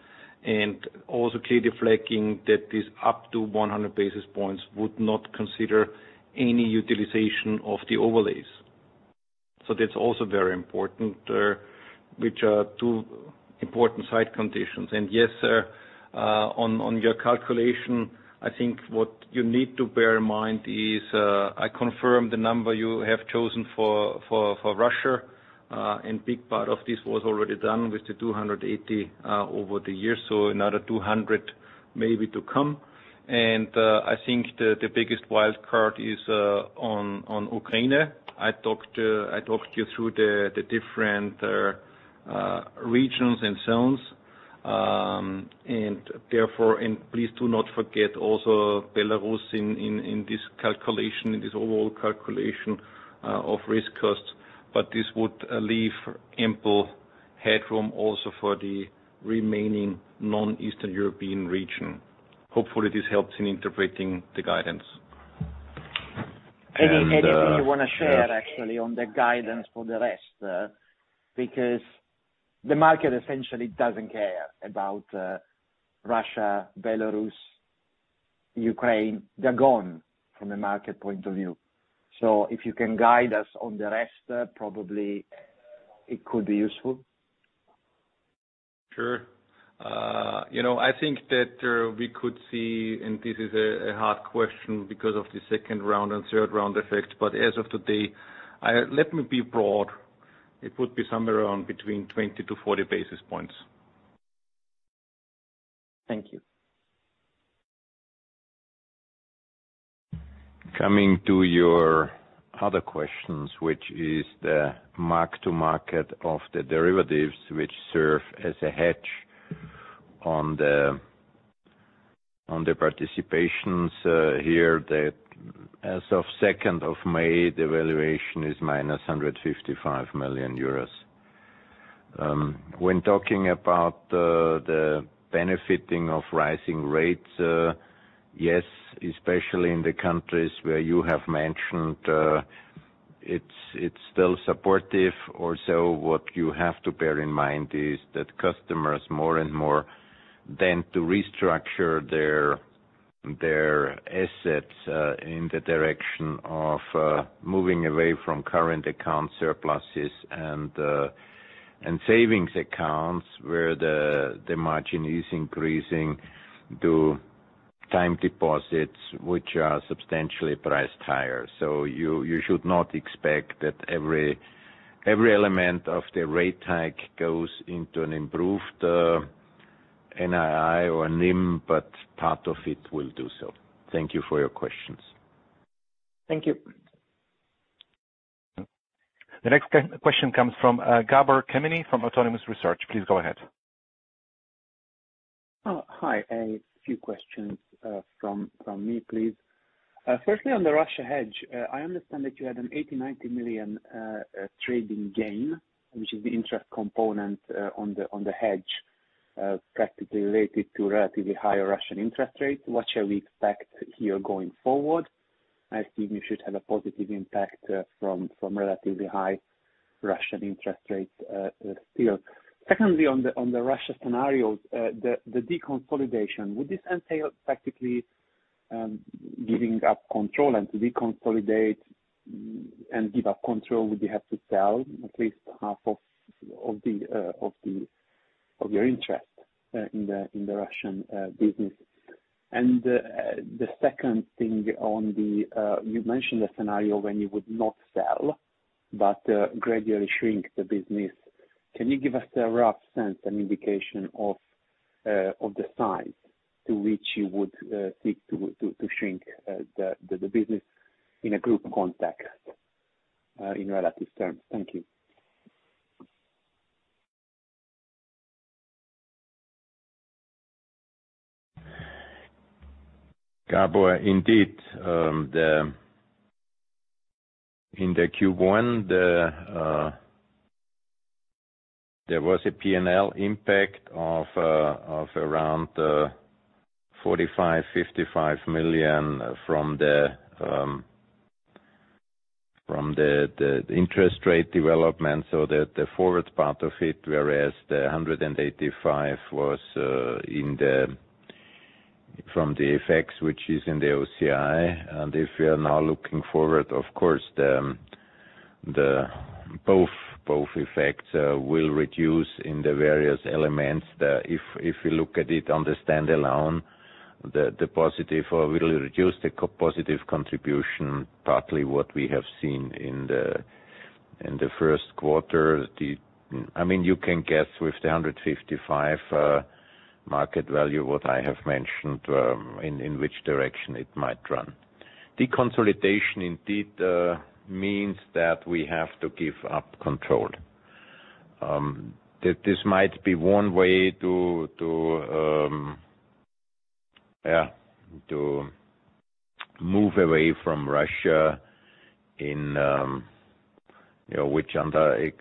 S3: and also clearly flagging that this up to 100-basis points would not consider any utilization of the overlays. That's also very important, which are two important side conditions. Yes, sir, on your calculation, I think what you need to bear in mind is, I confirm the number you have chosen for Russia, and big part of this was already done with the 280 million over the years, so another 200 million maybe to come. I think the biggest wild card is on Ukraine. I talked you through the different regions and zones. Please do not forget also Belarus in this calculation, in this overall calculation of risk costs, but this would leave ample headroom also for the remaining non-Eastern European region. Hopefully, this helps in interpreting the guidance.
S6: Anything you want to share actually on the guidance for the rest, because the market essentially doesn't care about Russia, Belarus, Ukraine. They're gone from a market point of view. If you can guide us on the rest, probably it could be useful.
S3: Sure. You know, I think that we could see, and this is a hard question because of the second round and third round effect, but as of today, let me be broad. It would be somewhere around between 20 to 40-basis points.
S6: Thank you.
S2: Coming to your other questions, which is the mark to market of the derivatives which serve as a hedge on the participations, here that as of the second of May, the valuation is -155 million euros. When talking about the benefit of rising rates, yes, especially in the countries where you have mentioned, it's still supportive. Also, what you have to bear in mind is that customers more and more tend to restructure their assets in the direction of moving away from current account surpluses and savings accounts where the margin is increasing to time deposits which are substantially priced higher. You should not expect that every element of the rate hike goes into an improved NII or NIM, but part of it will do so. Thank you for your questions.
S6: Thank you.
S1: The next question comes from, Gabor Kemeny from Autonomous Research. Please go ahead.
S7: Oh, hi. A few questions from me, please. Firstly, on the Russia hedge, I understand that you had an 80 to 90 million trading gain, which is the interest component on the hedge, practically related to relatively higher Russian interest rates. What shall we expect here going forward? I assume you should have a positive impact from relatively high Russian interest rates still. Secondly, on the Russia scenarios, the deconsolidation, would this entail practically giving up control and to deconsolidate and give up control, would you have to sell at least half of your interest in the Russian business? The second thing on the, you mentioned a scenario when you would not sell, but gradually shrink the business. Can you give us a rough sense, an indication of the size to which you would seek to shrink the business in a group context, in relative terms? Thank you.
S2: Gabor, indeed, in the first quarter, there was a P&L impact of around 45 to 55 million from the interest rate development, so the forward part of it, whereas the 185 million was in the FX, which is in the OCI. If we are now looking forward, of course, both effects will reduce in the various elements. If you look at it on the standalone, the positive will reduce the positive contribution, partly what we have seen in the first quarter. I mean, you can guess with the 155 million market value, what I have mentioned, in which direction it might run. Deconsolidation indeed means that we have to give up control. This might be one way to move away from Russia, you know, which under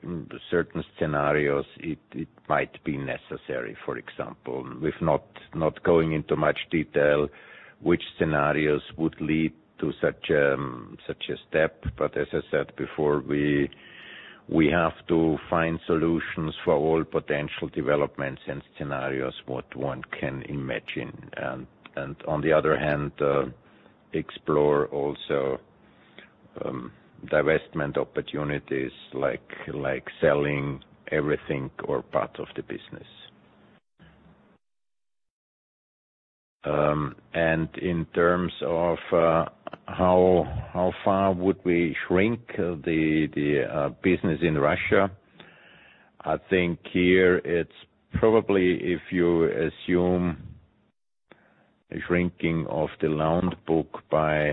S2: certain scenarios it might be necessary, for example, with not going into much detail which scenarios would lead to such a step. But as I said before, we have to find solutions for all potential developments and scenarios what one can imagine. On the other hand, explore also divestment opportunities like selling everything or part of the business. In terms of how far would we shrink the business in Russia, I think here it's probably if you assume a shrinking of the loan book by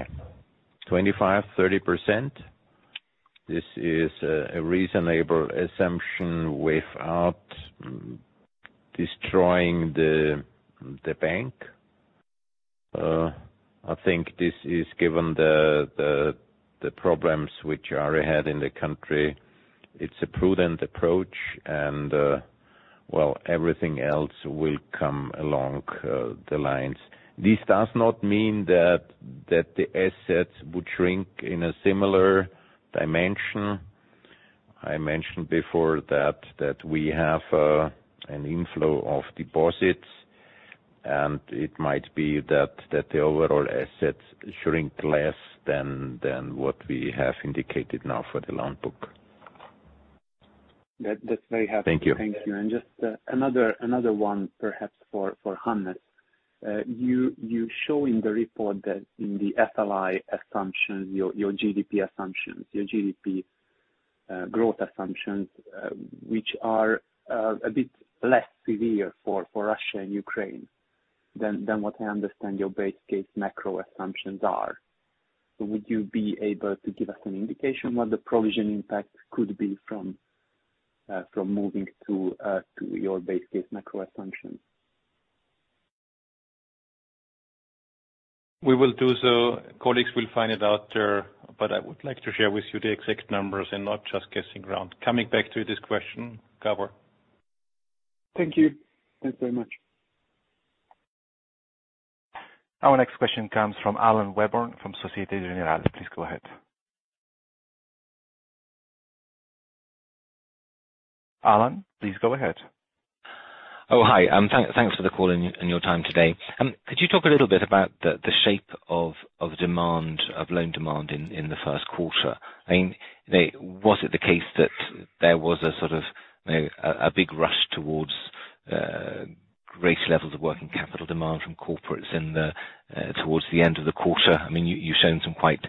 S2: 25% to 30%, this is a reasonable assumption without destroying the bank. I think this is given the problems which are ahead in the country. It's a prudent approach, and well, everything else will come along the lines. This does not mean that the assets would shrink in a similar dimension. I mentioned before that we have an inflow of deposits, and it might be that the overall assets shrink less than what we have indicated now for the loan book.
S7: That, that's very helpful.
S2: Thank you.
S7: Thank you. Just another one perhaps for Hannes. You show in the report that in the FLI assumptions, your GDP assumptions, your GDP growth assumptions, which are a bit less severe for Russia and Ukraine than what I understand your base case macro assumptions are. Would you be able to give us an indication what the provision impact could be from moving to your base case macro assumptions?
S3: We will do so. Colleagues will find it out, but I would like to share with you the exact numbers and not just guessing around. Coming back to this question, Gabor.
S7: Thank you. Thanks very much.
S1: Our next question comes from Alan Webborn from Société Générale. Please go ahead. Alan, please go ahead.
S8: Thanks for the call and your time today. Could you talk a little bit about the shape of demand, loan demand in the first quarter? I mean, was it the case that there was a sort of, you know, a big rush towards great levels of working capital demand from corporates towards the end of the quarter? I mean, you've shown some quite,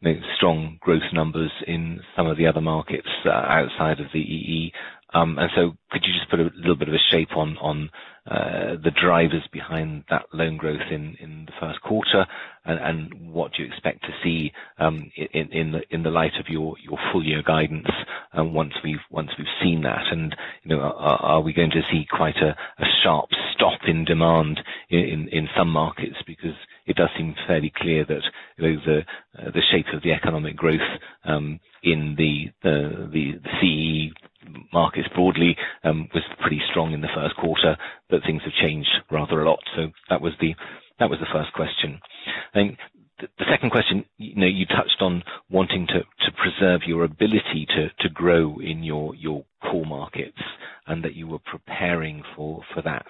S8: you know, strong growth numbers in some of the other markets outside of the EE. Could you just put a little bit of a shape on the drivers behind that loan growth in the first quarter? What do you expect to see in the light of your full year guidance once we've seen that? You know, are we going to see quite a sharp stop in demand in some markets? Because it does seem fairly clear that, you know, the shape of the economic growth in the CE markets broadly was pretty strong in the first quarter, but things have changed rather a lot. That was the first question. You know, you touched on wanting to preserve your ability to grow in your core markets, and that you were preparing for that.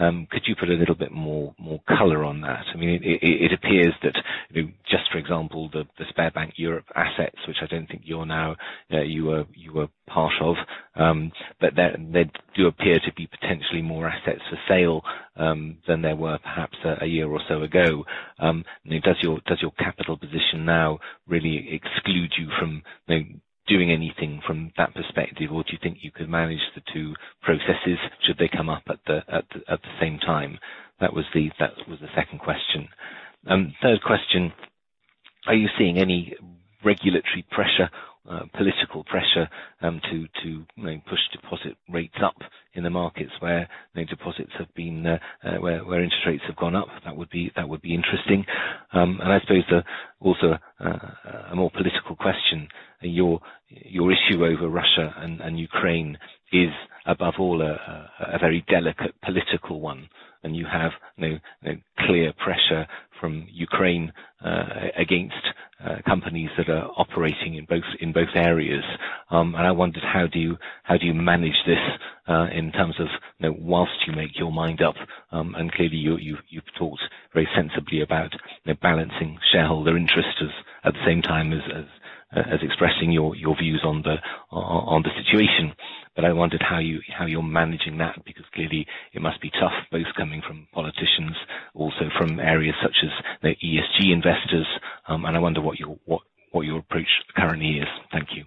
S8: Could you put a little bit more color on that? I mean, it appears that, you know, just for example, the Sberbank Europe AG assets, which I don't think you are part of, but there do appear to be potentially more assets for sale than there were perhaps a year or so ago. I mean, does your capital position now really exclude you from, you know, doing anything from that perspective? Or do you think you could manage the two processes should they come up at the same time? That was the second question. Third question. Are you seeing any regulatory pressure, political pressure, to, you know, push deposit rates up in the markets where, you know, deposits have been where interest rates have gone up? That would be interesting. I suppose, also, a more political question. Your issue over Russia and Ukraine is above all a very delicate political one, and you have, you know, a clear pressure from Ukraine against companies that are operating in both areas. I wondered how do you manage this in terms of, you know, while you make your mind up, and clearly you've talked very sensibly about, you know, balancing shareholder interests at the same time as expressing your views on the situation. I wondered how you're managing that, because clearly it must be tough, both coming from politicians, also from areas such as the ESG investors. I wonder what your approach currently is. Thank you.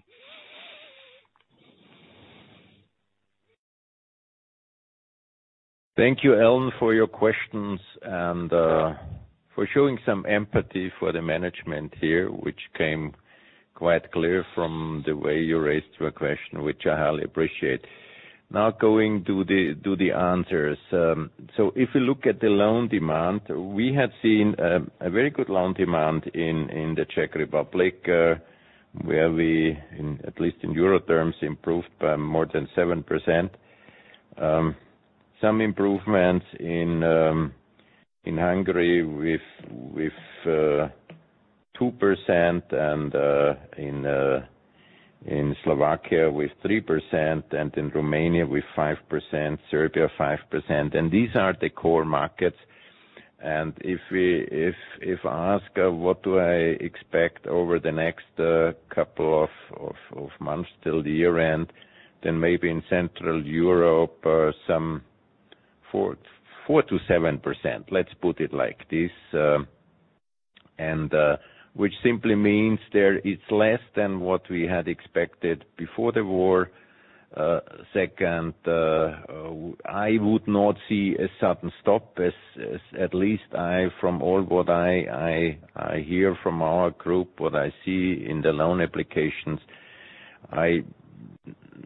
S2: Thank you, Alan, for your questions and for showing some empathy for the management here, which came quite clear from the way you raised your question, which I highly appreciate. Now going to the answers. So if you look at the loan demand, we have seen a very good loan demand in the Czech Republic, where we, at least in euro terms, improved by more than 7%. Some improvements in Hungary with 2% and in Slovakia with 3% and in Romania with 5%, Serbia 5%. These are the core markets. If I ask what do I expect over the next couple of months till the year end, then maybe in Central Europe some 4% to 7%, let's put it like this. Which simply means there is less than what we had expected before the war. Second, I would not see a sudden stop, as at least from all what I hear from our group, what I see in the loan applications.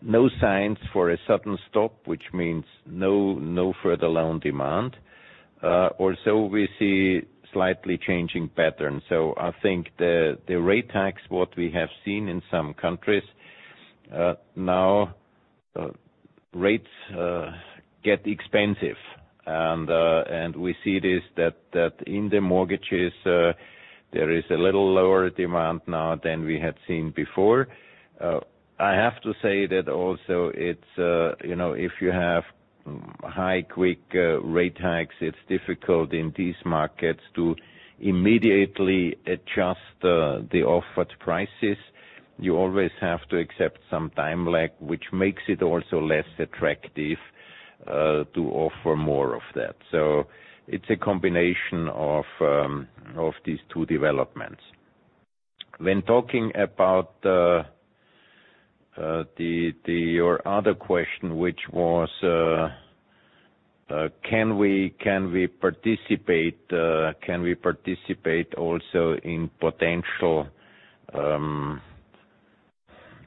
S2: No signs for a sudden stop, which means no further loan demand. Also we see slightly changing patterns. I think the rate hikes what we have seen in some countries, now rates get expensive. We see this, that in the mortgages, there is a little lower demand now than we had seen before. I have to say that also it's, you know, if you have high, quick rate hikes, it's difficult in these markets to immediately adjust the offered prices. You always have to accept some time lag, which makes it also less attractive to offer more of that. It's a combination of these two developments. When talking about your other question, which was, can we participate also in potential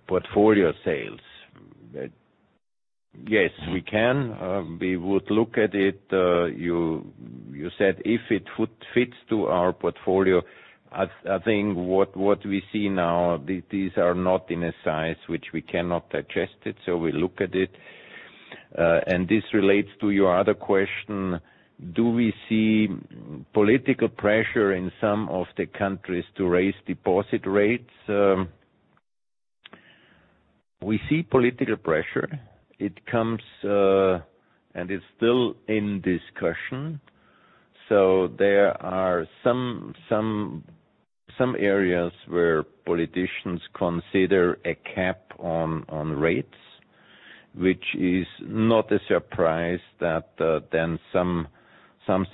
S2: portfolio sales? Yes, we can. We would look at it. You said if it would fit to our portfolio. I think what we see now, these are not in a size which we cannot adjust it, so we look at it. This relates to your other question, do we see political pressure in some of the countries to raise deposit rates? We see political pressure. It comes, and it's still in discussion. There are some areas where politicians consider a cap on rates, which is not a surprise that then some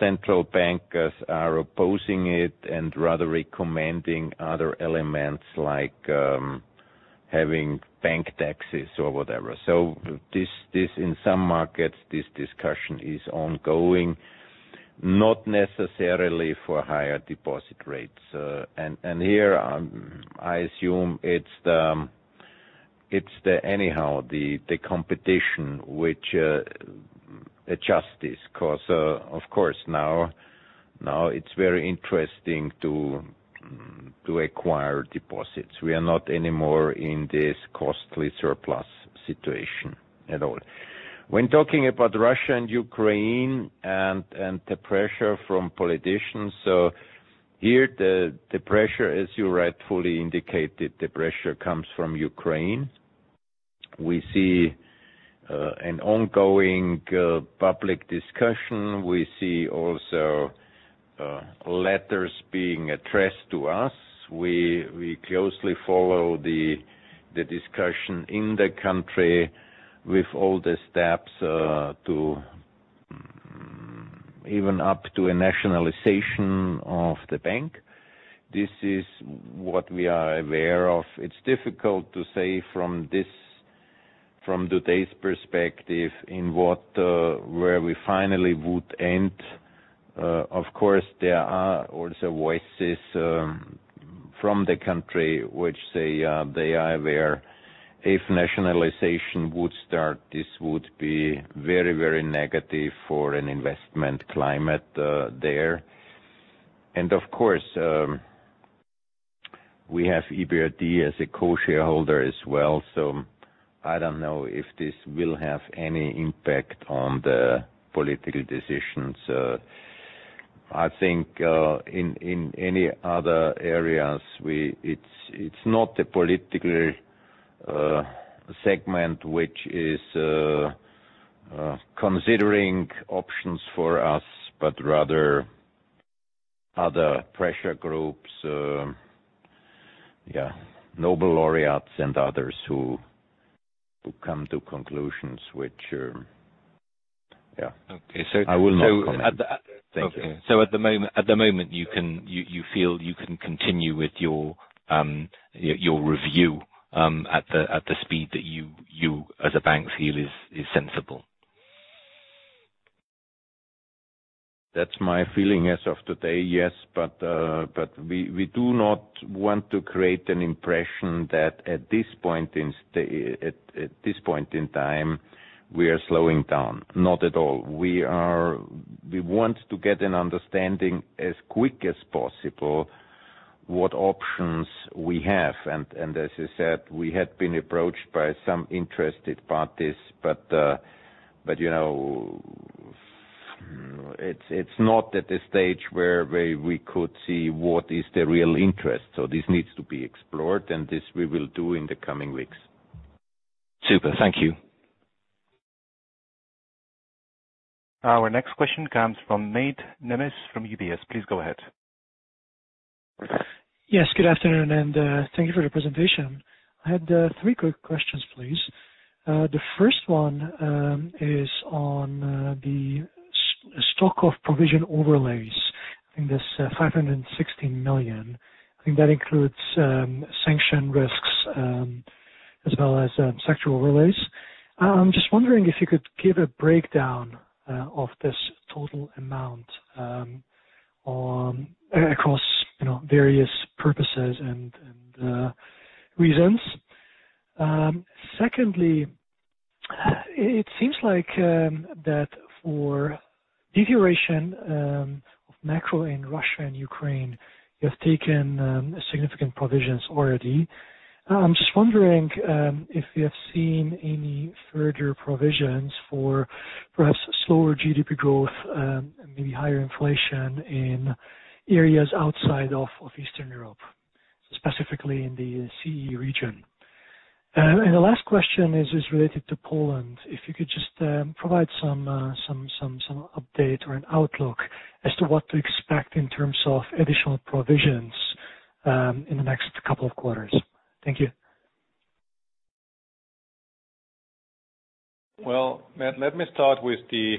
S2: central bankers are opposing it and rather recommending other elements like having bank taxes or whatever. This in some markets, this discussion is ongoing, not necessarily for higher deposit rates. Here, I assume it's the anyhow, the competition which adjusts this. Cause, of course, now it's very interesting to acquire deposits. We are not anymore in this costly surplus situation at all. When talking about Russia and Ukraine and the pressure from politicians, so here the pressure, as you rightfully indicated, the pressure comes from Ukraine. We see an ongoing public discussion. We see also letters being addressed to us. We closely follow the discussion in the country with all the steps to even up to a nationalization of the bank. This is what we are aware of. It's difficult to say from today's perspective where we finally would end. Of course, there are also voices from the country which say they are aware if nationalization would start, this would be very negative for an investment climate there. Of course, we have EBRD as a co-shareholder as well, so I don't know if this will have any impact on the political decisions. I think in any other areas it's not the political segment which is considering options for us, but rather other pressure groups. Yeah, Nobel laureates and others who come to conclusions which, yeah.
S8: Okay.
S2: I will not comment...
S8: So at the...
S2: Okay.
S8: At the moment you feel you can continue with your review at the speed that you as a bank feel is sensible?
S2: That's my feeling as of today, yes. We do not want to create an impression that at this point in time, we are slowing down. Not at all. We want to get an understanding as quick as possible what options we have and as I said, we had been approached by some interested parties. You know, it's not at the stage where we could see what is the real interest. This needs to be explored, and this we will do in the coming weeks.
S8: Super, thank you.
S1: Our next question comes from Máté Nemes from UBS. Please go ahead.
S9: Yes, good afternoon, and thank you for the presentation. I had three quick questions, please. The first one is on the stock of provision overlays in this 560 million. I think that includes sanctions risks as well as sectoral overlays. I'm just wondering if you could give a breakdown of this total amount across, you know, various purposes and reasons. Secondly, it seems like that for deterioration of macro in Russia and Ukraine, you have taken significant provisions already. I'm just wondering if you have seen any further provisions for perhaps slower GDP growth and maybe higher inflation in areas outside of Eastern Europe, specifically in the CE region. The last question is related to Poland. If you could just provide some update or an outlook as to what to expect in terms of additional provisions in the next couple of quarters. Thank you.
S3: Well, let me start with the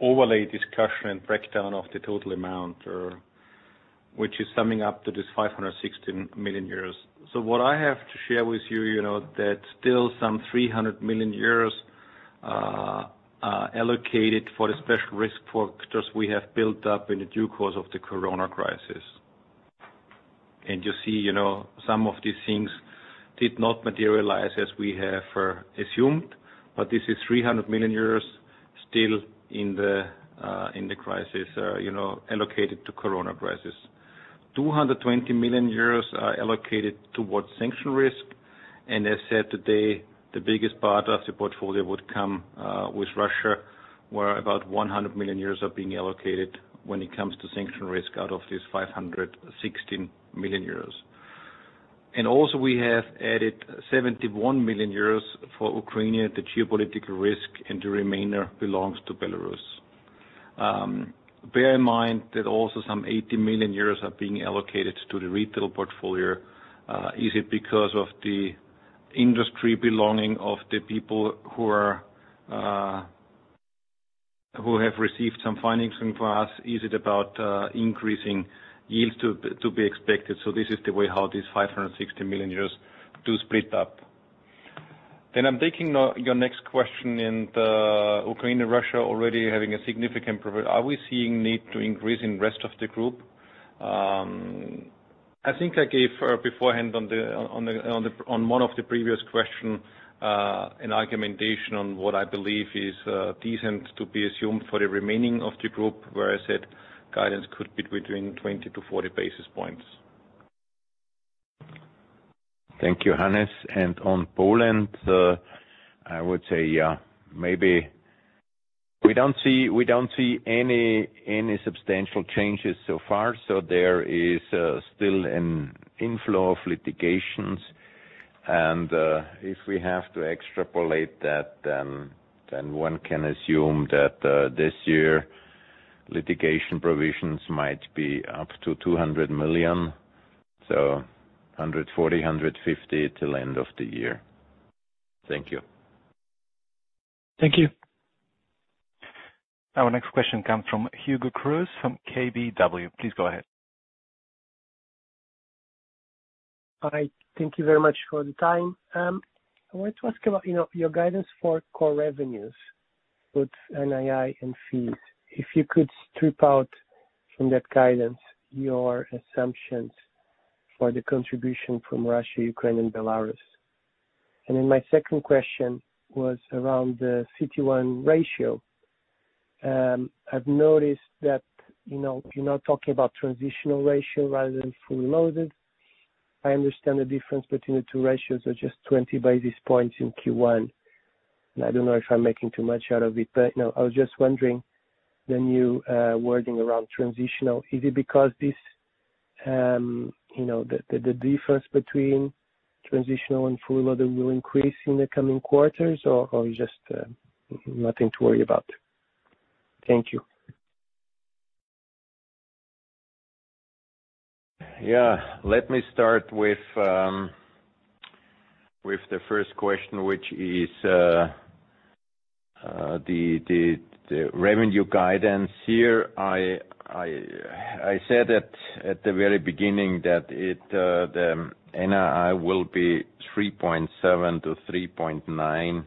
S3: overlay discussion and breakdown of the total amount, which is summing up to this 560 million euros. What I have to share with you know, that still some 300 million euros allocated for the special risk for because we have built up in the due course of the corona crisis. You see, you know, some of these things did not materialize as we have assumed, but this is 300 million euros still in the crisis, you know, allocated to corona crisis. 220 million euros are allocated towards sanction risk. As said today, the biggest part of the portfolio would come with Russia, where about 100 million euros are being allocated when it comes to sanction risk out of this 560 million euros. Also, we have added 71 million euros for Ukraine, the geopolitical risk, and the remainder belongs to Belarus. Bear in mind that also some 80 million euros are being allocated to the retail portfolio. Is it because of the industry belonging of the people who have received some financing from us? Is it about increasing yield to be expected? This is the way how these 560 million euros do split up. I'm taking now your next question in the Ukraine and Russia already having a significant provision. Are we seeing need to increase in rest of the group? I think I gave a beforehand on one of the previous question an argumentation on what I believe is decent to be assumed for the remaining of the group, where I said guidance could be between 20 to 40-basis points.
S2: Thank you, Hannes. On Poland, I would say, yeah, maybe we don't see any substantial changes so far, so there is still an inflow of litigations. If we have to extrapolate that, then one can assume that this year litigation provisions might be up to 200 million, so 140 million, 150 million till end of the year. Thank you.
S9: Thank you.
S1: Our next question comes from Hugo Cruz from KBW. Please go ahead.
S10: All right. Thank you very much for the time. I wanted to ask about, you know, your guidance for core revenues, both NII and fees. If you could strip out from that guidance your assumptions for the contribution from Russia, Ukraine and Belarus. My second question was around the CET1 ratio. I've noticed that, you know, you're not talking about transitional ratio rather than fully loaded. I understand the difference between the two ratios are just 20-basis points in first quarter. I don't know if I'm making too much out of it, but, you know, I was just wondering the new wording around transitional. Is it because this, you know, the difference between transitional and full load will increase in the coming quarters or just nothing to worry about? Thank you.
S2: Yeah. Let me start with the first question, which is the revenue guidance. Here, I said at the very beginning that it, the NII will be 3.7 to 3.9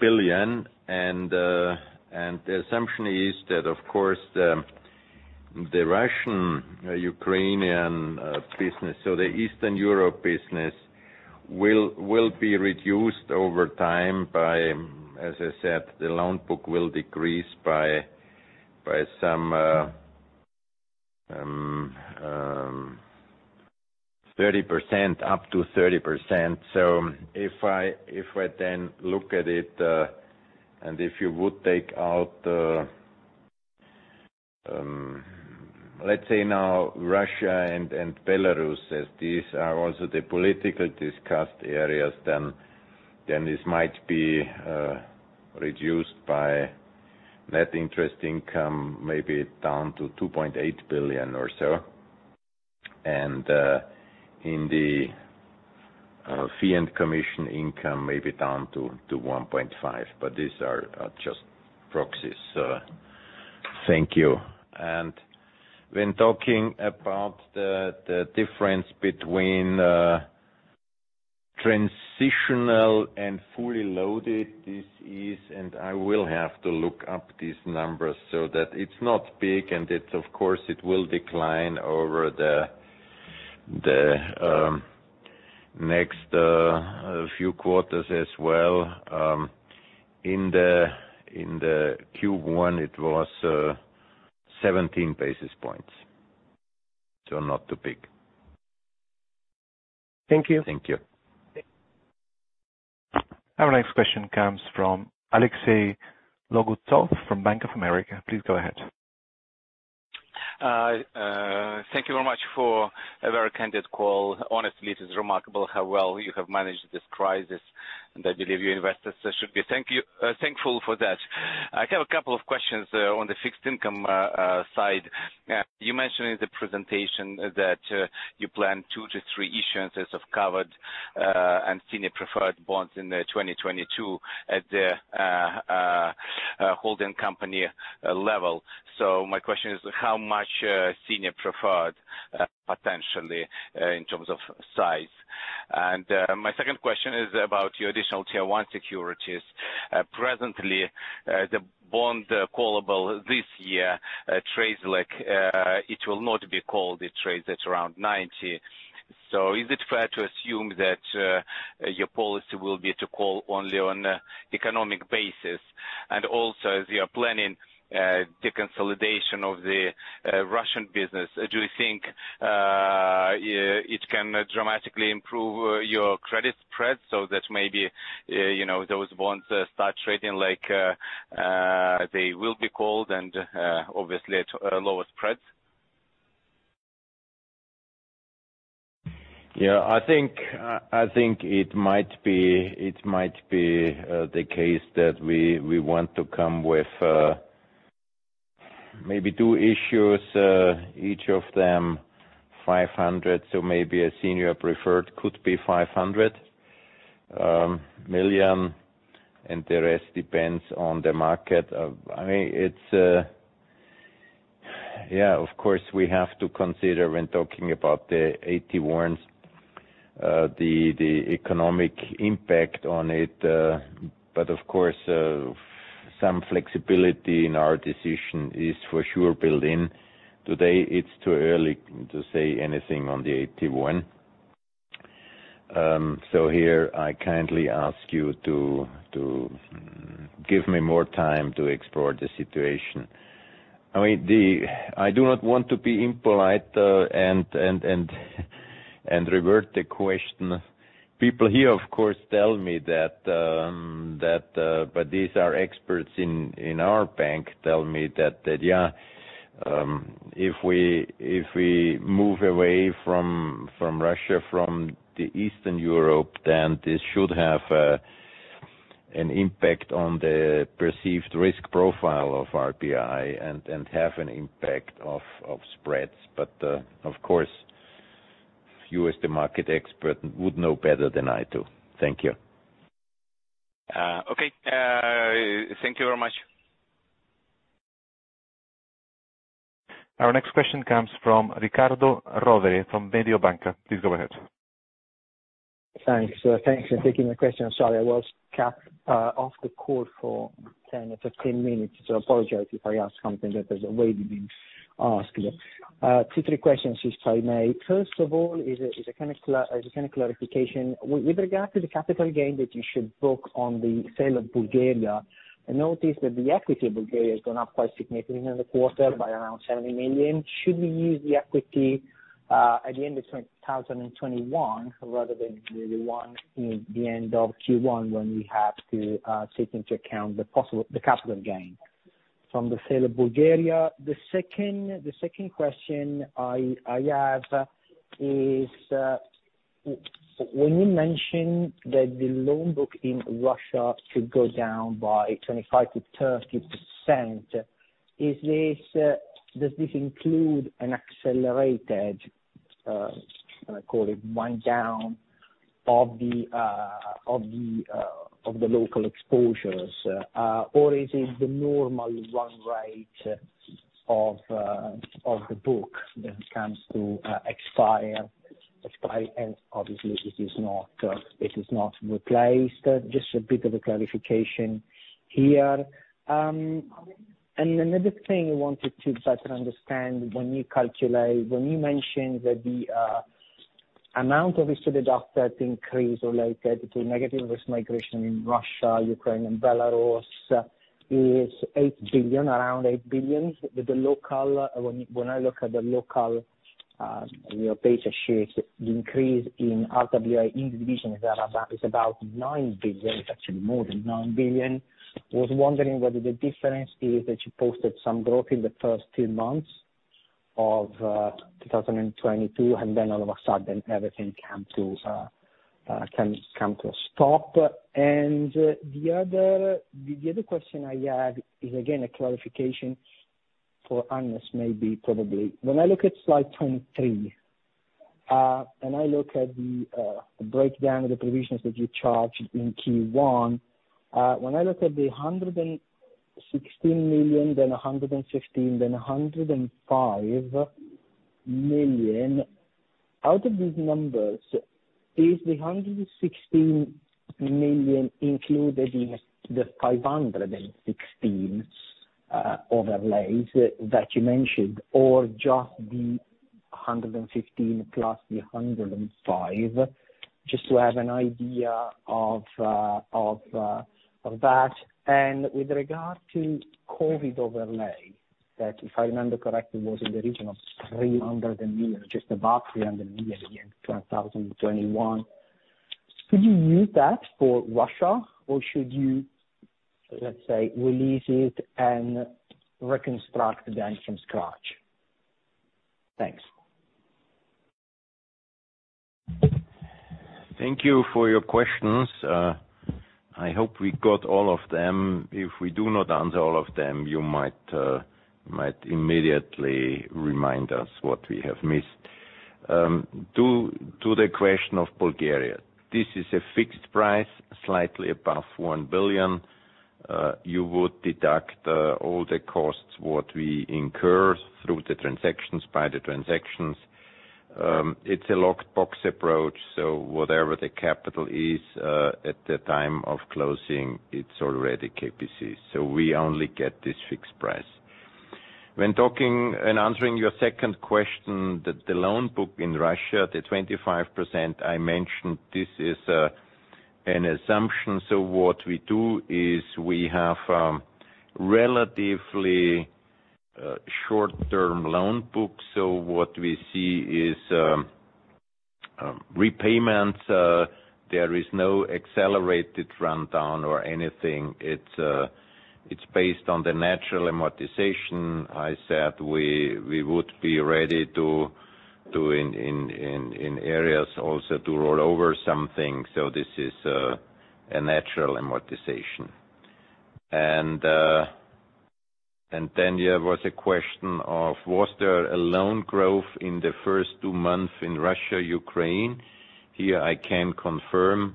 S2: billion. The assumption is that, of course, the Russian, Ukrainian business, so the Eastern Europe business will be reduced over time by, as I said, the loan book will decrease by some 30%, up to 30%. If I then look at it, and if you would take out, let's say now Russia and Belarus, as these are also the politically discussed areas, then this might be reduced by net interest income, maybe down to 2.8 billion or so. In the fee and commission income, maybe down to 1.5%, but these are just proxies, so thank you. When talking about the difference between transitional and fully loaded, this is, and I will have to look up these numbers, so that it's not big and it, of course, it will decline over the next few quarters as well. In the first quarter it was 17-basis points, so not too big.
S10: Thank you.
S2: Thank you.
S1: Our next question comes from Alexei Logunov from Bank of America. Please go ahead.
S11: Thank you very much for a very candid call. Honestly, it is remarkable how well you have managed this crisis, and I believe your investors should be thankful for that. I have a couple of questions on the fixed income side. You mentioned in the presentation that you plan two to three issuances of covered and senior preferred bonds in 2022 at the holding company level. My question is how much senior preferred potentially in terms of size? And my second question is about your additional tier one securities. Presently, the bond callable this year trades like it will not be called, it trades at around 90 million. Is it fair to assume that your policy will be to call only on economic basis? Also, as you are planning the consolidation of the Russian business, do you think it can dramatically improve your credit spread, so that maybe you know those bonds start trading like they will be called and obviously at lower spreads?
S2: I think it might be the case that we want to come with maybe two issues, each of them 500 million, so maybe a senior preferred could be 500 million, and the rest depends on the market. I mean, it's yeah, of course, we have to consider when talking about the AT1s, the economic impact on it. Of course, some flexibility in our decision is for sure built in. Today it's too early to say anything on the AT1. Here I kindly ask you to give me more time to explore the situation. I mean, I do not want to be impolite and revert the question. People here, of course, tell me that but these are experts in our bank tell me that if we move away from Russia, from Eastern Europe, then this should have an impact on the perceived risk profile of RBI and have an impact on spreads. Of course, you as the market expert would know better than I do. Thank you.
S11: Okay. Thank you very much.
S1: Our next question comes from Riccardo Rovere, from Mediobanca. Please go ahead.
S12: Thanks. Thanks for taking the question. Sorry, I was cut off the call for 10 or 15 minutes, so apologize if I ask something that has already been asked. Two, three questions if I may. First of all is a kind of clarification. With regard to the capital gain that you should book on the sale of Bulgaria, I notice that the equity of Bulgaria has gone up quite significantly in the quarter by around 70 million. Should we use the equity at the end of 2021 rather than the one in the end of first quarter when we have to take into account the capital gain from the sale of Bulgaria? The second question I have is, when you mention that the loan book in Russia should go down by 25% to 30%, does this include an accelerated, let me call it, wind down of the local exposures? Or is it the normal run rate of the book when it comes to expire? Obviously, this is not replaced. Just a bit of a clarification here. Another thing I wanted to better understand, when you mentioned that the amount obviously deducted increase or like the negative risk migration in Russia, Ukraine and Belarus is 8 billion, around 8 billion. When I look at the local balance sheets, the increase in RWA individual is around, is about 9 billion, it's actually more than 9 billion. Was wondering whether the difference is that you posted some growth in the first two months of 2022, and then all of a sudden everything come to a stop. The other question I have is again a clarification for Hannes Mösenbacher, maybe, probably. When I look at slide 23 and I look at the breakdown of the provisions that you charged in first quarter, when I look at the 116 million, then 116 million, then 105 million, out of these numbers, is the 116 million included in the 516 million overlays that you mentioned, or just the 115 million plus the 105 million? Just to have an idea of that. With regard to COVID overlay, that if I remember correctly, was in the region of 300 million, just about 300 million in 2021. Could you use that for Russia or should you, let's say, release it and reconstruct then from scratch? Thanks.
S2: Thank you for your questions. I hope we got all of them. If we do not answer all of them, you might immediately remind us what we have missed. To the question of Bulgaria. This is a fixed price, slightly above 1 billion. You would deduct all the costs what we incur through the transactions, by the transactions. It's a locked box approach, so whatever the capital is at the time of closing, it's already KBC. So, we only get this fixed price. When talking and answering your second question, the loan book in Russia, the 25% I mentioned, this is an assumption. So, what we do is we have relatively short-term loan books. So, what we see is repayments. There is no accelerated rundown or anything. It's based on the natural amortization. I said we would be ready to in areas also to roll over something. This is a natural amortization. There was a question of was there a loan growth in the first two months in Russia, Ukraine. Here I can confirm,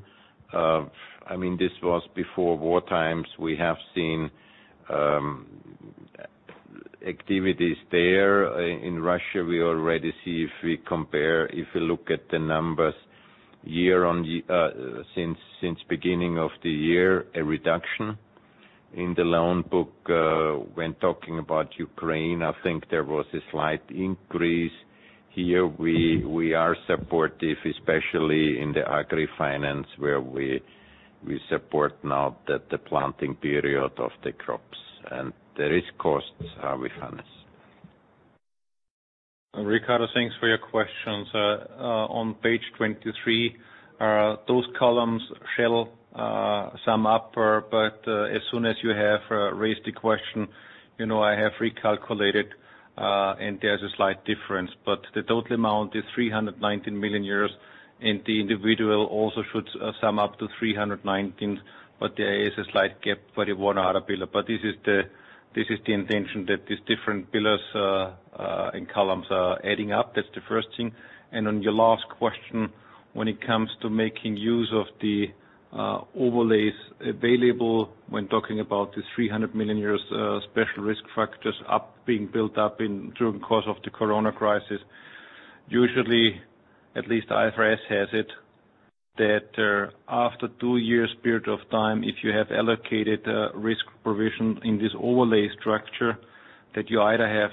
S2: I mean, this was before war times. We have seen activities there. In Russia, we already see if we compare, if we look at the numbers since beginning of the year, a reduction in the loan book. When talking about Ukraine, I think there was a slight increase. Here we are supportive, especially in the agri finance, where we support now the planting period of the crops. The risk costs we finance.
S3: Riccardo, thanks for your questions. On page 23, those columns shall sum up. As soon as you have raised the question, you know, I have recalculated, and there's a slight difference. The total amount is 319 million euros, and the individual also should sum up to 319 million. There is a slight gap for the one other pillar. This is the intention that these different pillars and columns are adding up. That's the first thing. On your last question, when it comes to making use of the overlays available, when talking about the 300 million, special risk factors being built up during the course of the Corona crisis. Usually, at least IFRS has it that after two years period of time, if you have allocated risk provision in this overlay structure, that you either have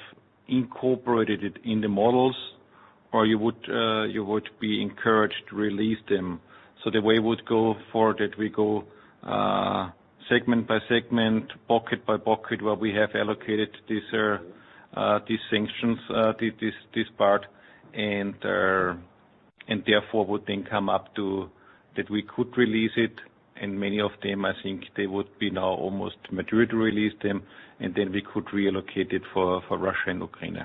S3: incorporated it in the models or you would be encouraged to release them. The way we would go forward, that we go segment by segment, bucket by bucket, where we have allocated these overlays, this part. Therefore would then come up to that we could release it, and many of them, I think, they would be now almost mature to release them, and then we could reallocate it for Russia and Ukraine.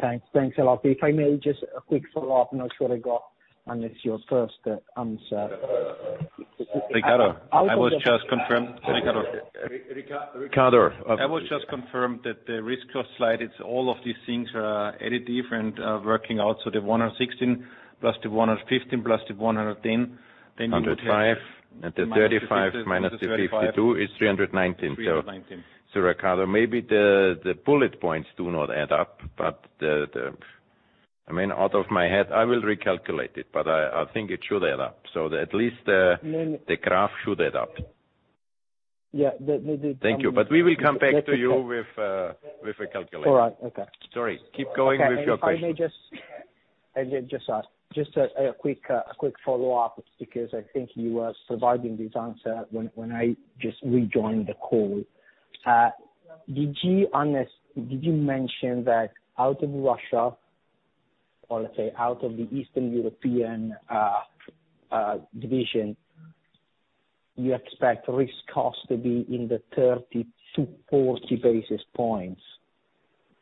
S12: Thanks. Thanks a lot. If I may just a quick follow-up, not sure I got Hannes your first answer.
S2: Riccardo, I was just confirmed.
S3: Riccardo...
S2: I was just confirming that the risk cost slide, it's all of these things added differently, working out. The 116 million plus the 115 million plus the 110 million, then you would have...
S3: EUR 105 million. The 35 million minus the 52 million is 319 million.
S2: 319 million.
S3: Riccardo, maybe the bullet points do not add up, but, I mean, out of my head, I will recalculate it, but I think it should add up. At least, the graph should add up.
S12: Yeah.
S3: Thank you... We will come back to you with a calculation.
S12: All right. Okay.
S3: Sorry... Keep going with your question.
S12: If I may just ask. Just a quick follow-up because I think you were providing this answer when I just rejoined the call. Did you mention that out of Russia, or let's say out of the Eastern European division, you expect risk cost to be in the 30 to 40-basis points?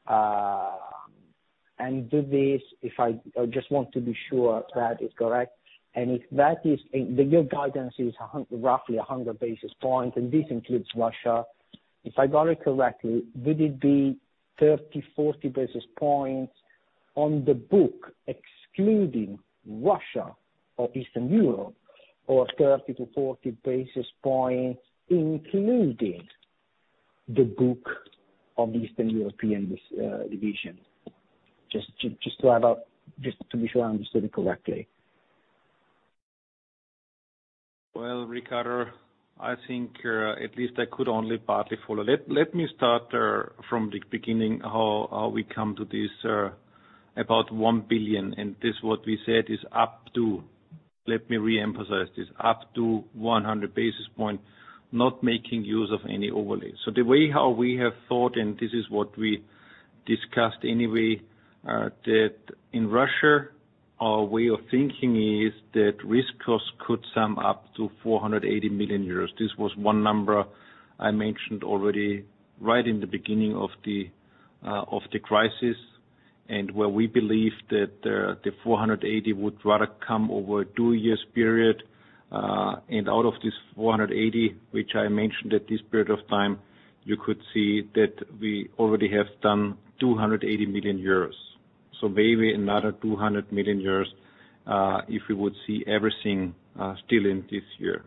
S12: I just want to be sure that is correct. If that is, your guidance is roughly 100-basis points, and this includes Russia. If I got it correctly, would it be 30 to 40-basis points on the book excluding Russia or Eastern Europe, or 30 to 40-basis points including the book of the Eastern European division? Just to be sure I understood it correctly.
S3: Well, Riccardo, I think at least I could only partly follow. Let me start from the beginning how we come to this about 1 billion. This what we said is up to, let me re-emphasize this, up to 100-basis points, not making use of any overlay. The way how we have thought, and this is what we discussed anyway, that in Russia, our way of thinking is that risk costs could sum up to 480 million euros. This was one number I mentioned already right in the beginning of the crisis, and where we believe that the 480 million would rather come over a two-year period. Out of this 480 million, which I mentioned at this period of time, you could see that we already have done 280 million euros. Maybe another 200 million euros, if we would see everything, still in this year.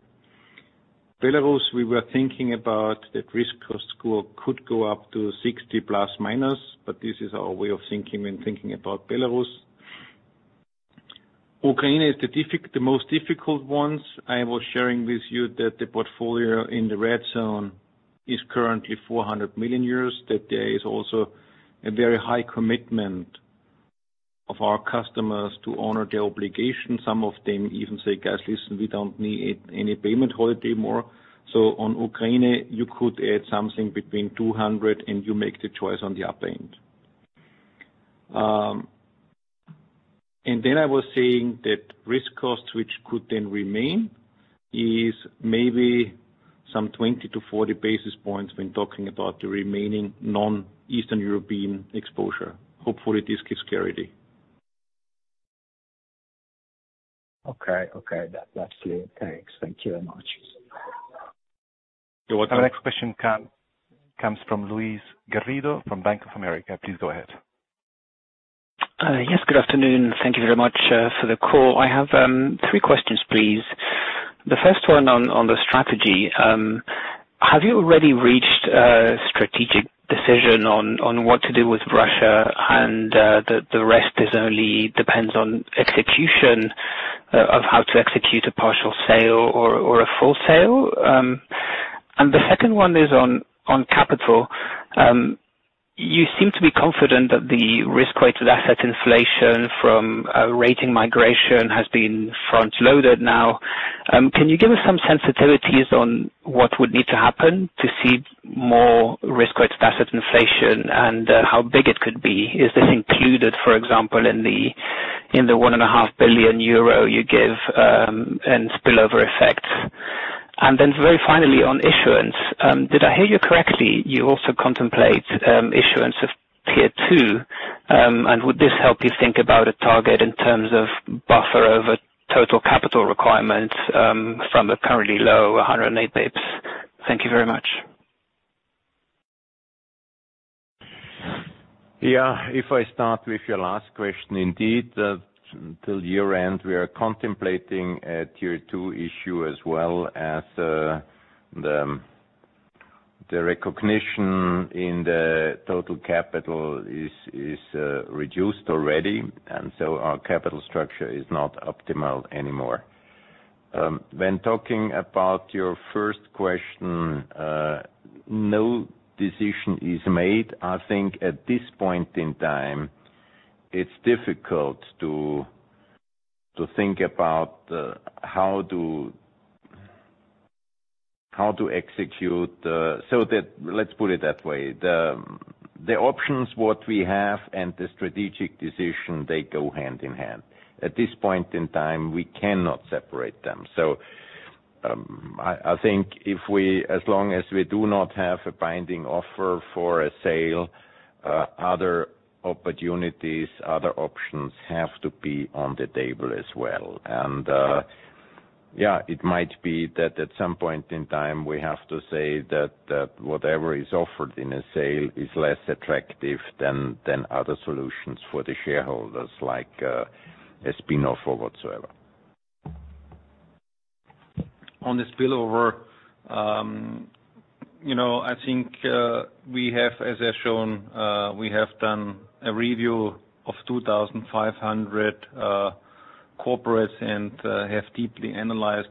S3: Belarus, we were thinking about that risk cost score could go up to 60 ±, but this is our way of thinking when thinking about Belarus. Ukraine is the most difficult ones. I was sharing with you that the portfolio in the red zone is currently 400 million euros, that there is also a very high commitment of our customers to honor their obligation. Some of them even say, "Guys, listen, we don't need any payment holiday more." On Ukraine, you could add something between 200 million, and you make the choice on the upper end. I was saying that risk costs, which could then remain, is maybe some 20 to 40-basis points when talking about the remaining non-Eastern European exposure. Hopefully, this gives clarity.
S12: Okay. That's clear. Thanks. Thank you very much.
S3: You're welcome.
S1: Our next question comes from Luis Garrido from Bank of America. Please go ahead.
S13: Yes. Good afternoon. Thank you very much for the call. I have three questions, please. The first one on the strategy. Have you already reached a strategic decision on what to do with Russia and the rest is only depends on execution of how to execute a partial sale or a full sale? The second one is on capital. You seem to be confident that the risk-weighted asset inflation from rating migration has been front-loaded now. Can you give us some sensitivities on what would need to happen to see more risk-weighted asset inflation and how big it could be? Is this included, for example, in the 1.5 billion euro you give and spillover effects? Very finally on issuance, did I hear you correctly, you also contemplate issuance of tier II, and would this help you think about a target in terms of buffer over total capital requirements from the currently low 108-basis points? Thank you very much.
S3: Yeah. If I start with your last question, indeed, till year-end, we are contemplating a tier II issue as well as the recognition in the total capital is reduced already, and so our capital structure is not optimal anymore. When talking about your first question, no decision is made. I think at this point in time, it's difficult to think about how to execute. Let's put it that way. The options we have and the strategic decision, they go hand in hand. At this point in time, we cannot separate them. I think if we, as long as we do not have a binding offer for a sale, other opportunities, other options have to be on the table as well. It might be that at some point in time, we have to say that whatever is offered in a sale is less attractive than other solutions for the shareholders, like a spin-off or whatsoever. On this spillover, you know, I think, as I've shown, we have done a review of 2,500 corporates and have deeply analyzed.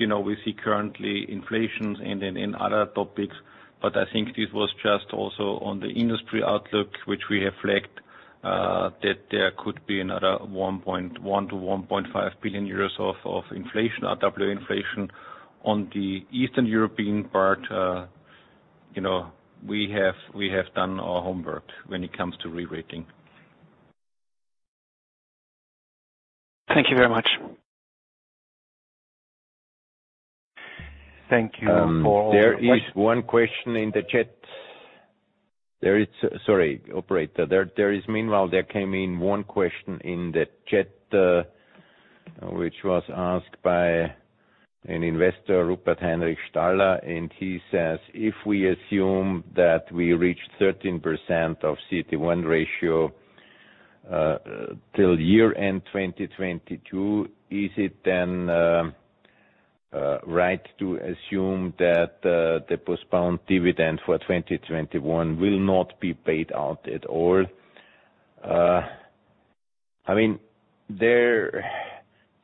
S3: You know, we see currently inflations and then in other topics. I think this was just also on the industry outlook, which we reflect, that there could be another 1 to 1.5 billion of inflation, RWA inflation. On the Eastern European part, you know, we have done our homework when it comes to re-rating.
S13: Thank you very much.
S1: Thank you for...
S2: There is one question in the chat. Sorry, operator. Meanwhile, there came in one question in the chat, which was asked by an investor, Rupert-Heinrich Staller. He says, "If we assume that we reached 13% of CET1 ratio till year end 2022, is it then right to assume that the postponed dividend for 2021 will not be paid out at all?" I mean,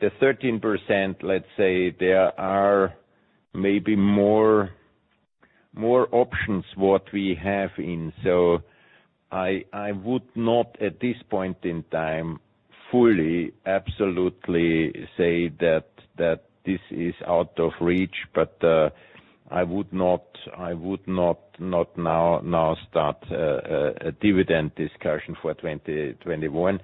S2: the 13%, let's say, there are maybe more options what we have in. I would not at this point in time fully absolutely say that this is out of reach. I would not now start a dividend discussion for 2021.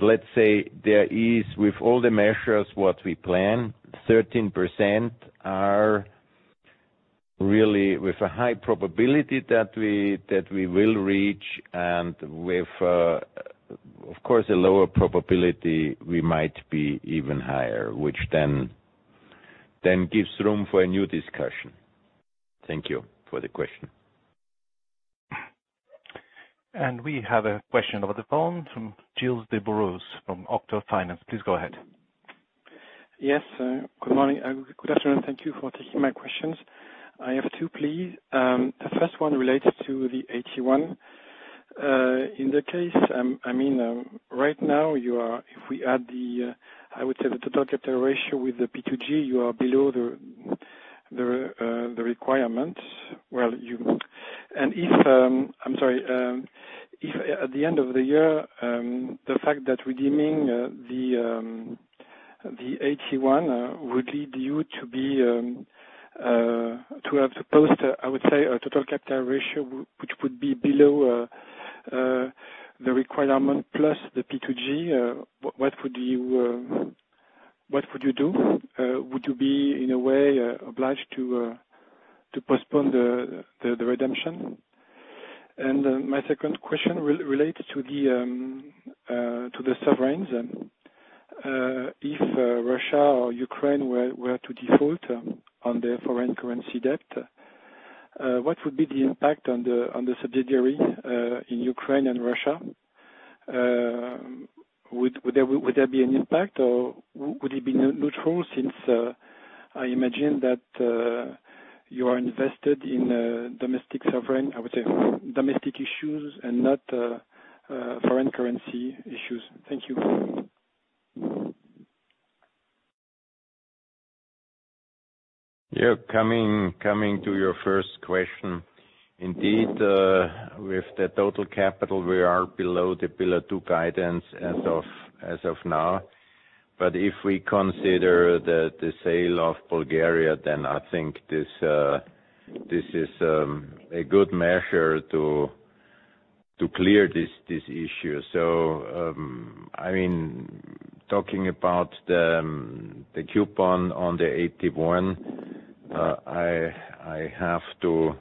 S2: Let's say there is, with all the measures that we plan, 13% are really with a high probability that we will reach. With, of course, a lower probability we might be even higher, which then gives room for a new discussion. Thank you for the question.
S1: We have a question over the phone from Gilles Dubos from Octo Finances. Please go ahead.
S14: Yes, good morning. Good afternoon, thank you for taking my questions. I have two, please. The first one relates to the AT1. In the case, I mean, right now, if we add the, I would say the total capital ratio with the P2G, you are below the requirement. Well, I'm sorry. If at the end of the year, the fact that redeeming the AT1 would lead you to be, to have to post, I would say, a total capital ratio which would be below the requirement plus the P2G, what would you do? Would you be, in a way, obliged to postpone the redemption? My second question relates to the sovereigns. If Russia or Ukraine were to default on their foreign currency debt, what would be the impact on the subsidiary in Ukraine and Russia? Would there be an impact, or would it be neutral since I imagine that you are invested in domestic sovereign, I would say, domestic issues and not foreign currency issues. Thank you.
S2: Yeah. Coming to your first question. Indeed, with the total capital, we are below the Pillar 2 guidance as of now. If we consider the sale of Bulgaria, then I think this is a good measure to clear this issue. I mean, talking about the coupon on the AT1, I have to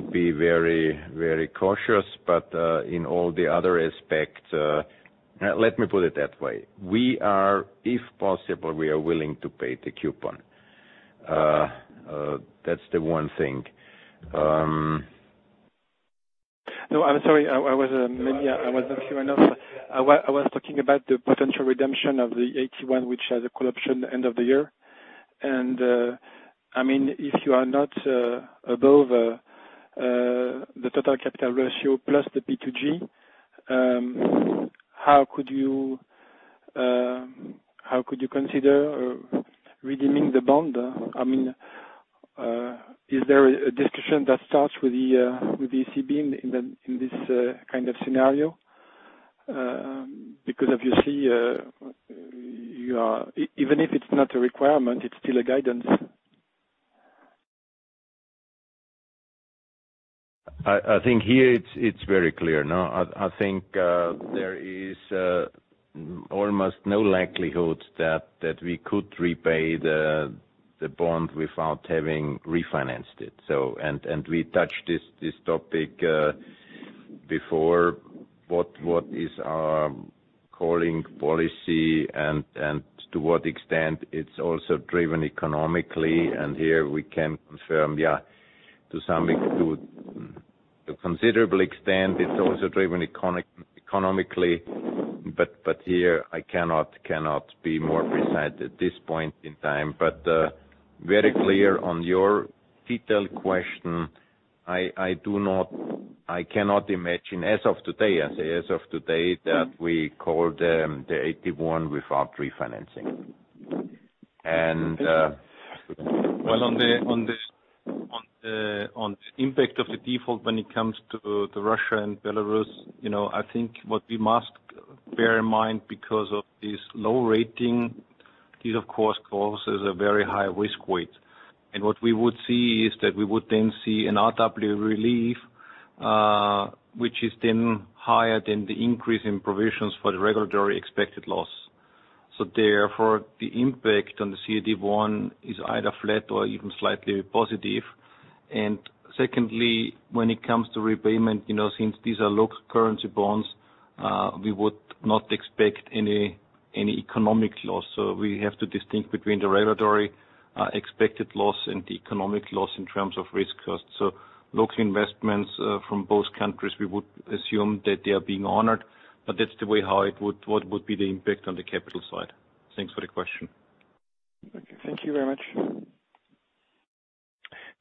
S2: be very cautious. In all the other aspects, let me put it that way. If possible, we are willing to pay the coupon. That's the one thing.
S14: No, I'm sorry. I was maybe not clear enough. I was talking about the potential redemption of the AT1, which has a call option end of the year. I mean, if you are not above the total capital ratio plus the P2G, how could you consider redeeming the bond? I mean, is there a discussion that starts with the ECB in this kind of scenario? Because obviously, even if it's not a requirement, it's still a guidance.
S2: I think here it's very clear, no? I think there is almost no likelihood that we could repay the bond without having refinanced it. We touched this topic before. What is our calling policy and to what extent it's also driven economically. Here we can confirm to some extent. To a considerable extent, it's also driven economically. Here I cannot be more precise at this point in time. To be very clear on your detailed question. I cannot imagine as of today that we call them the AT1 without refinancing.
S3: On the impact of the default when it comes to Russia and Belarus, you know, I think what we must bear in mind because of this low rating, this of course causes a very high risk weight. What we would see is that we would then see an RW relief, which is then higher than the increase in provisions for the regulatory expected loss. Therefore, the impact on the CET1 is either flat or even slightly positive. Secondly, when it comes to repayment, you know, since these are local currency bonds, we would not expect any economic loss. We have to distinguish between the regulatory expected loss and the economic loss in terms of risk costs. Local investments from both countries, we would assume that they are being honored. That's the way, what would be the impact on the capital side. Thanks for the question.
S14: Thank you very much.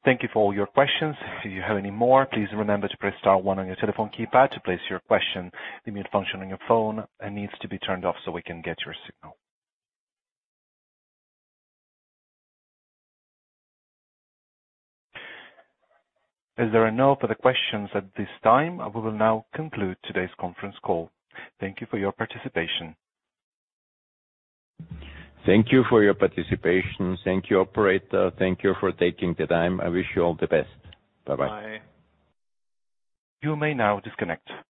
S14: Thank you for all your questions. If you have any more, please remember to press star one on your telephone keypad to place your question. The mute function on your phone needs to be turned off so we can get your signal. As there are no further questions at this time, we will now conclude today's conference call. Thank you for your participation.
S2: Thank you for your participation. Thank you, operator. Thank you for taking the time. I wish you all the best. Bye-bye.
S3: Bye.
S1: You may now disconnect.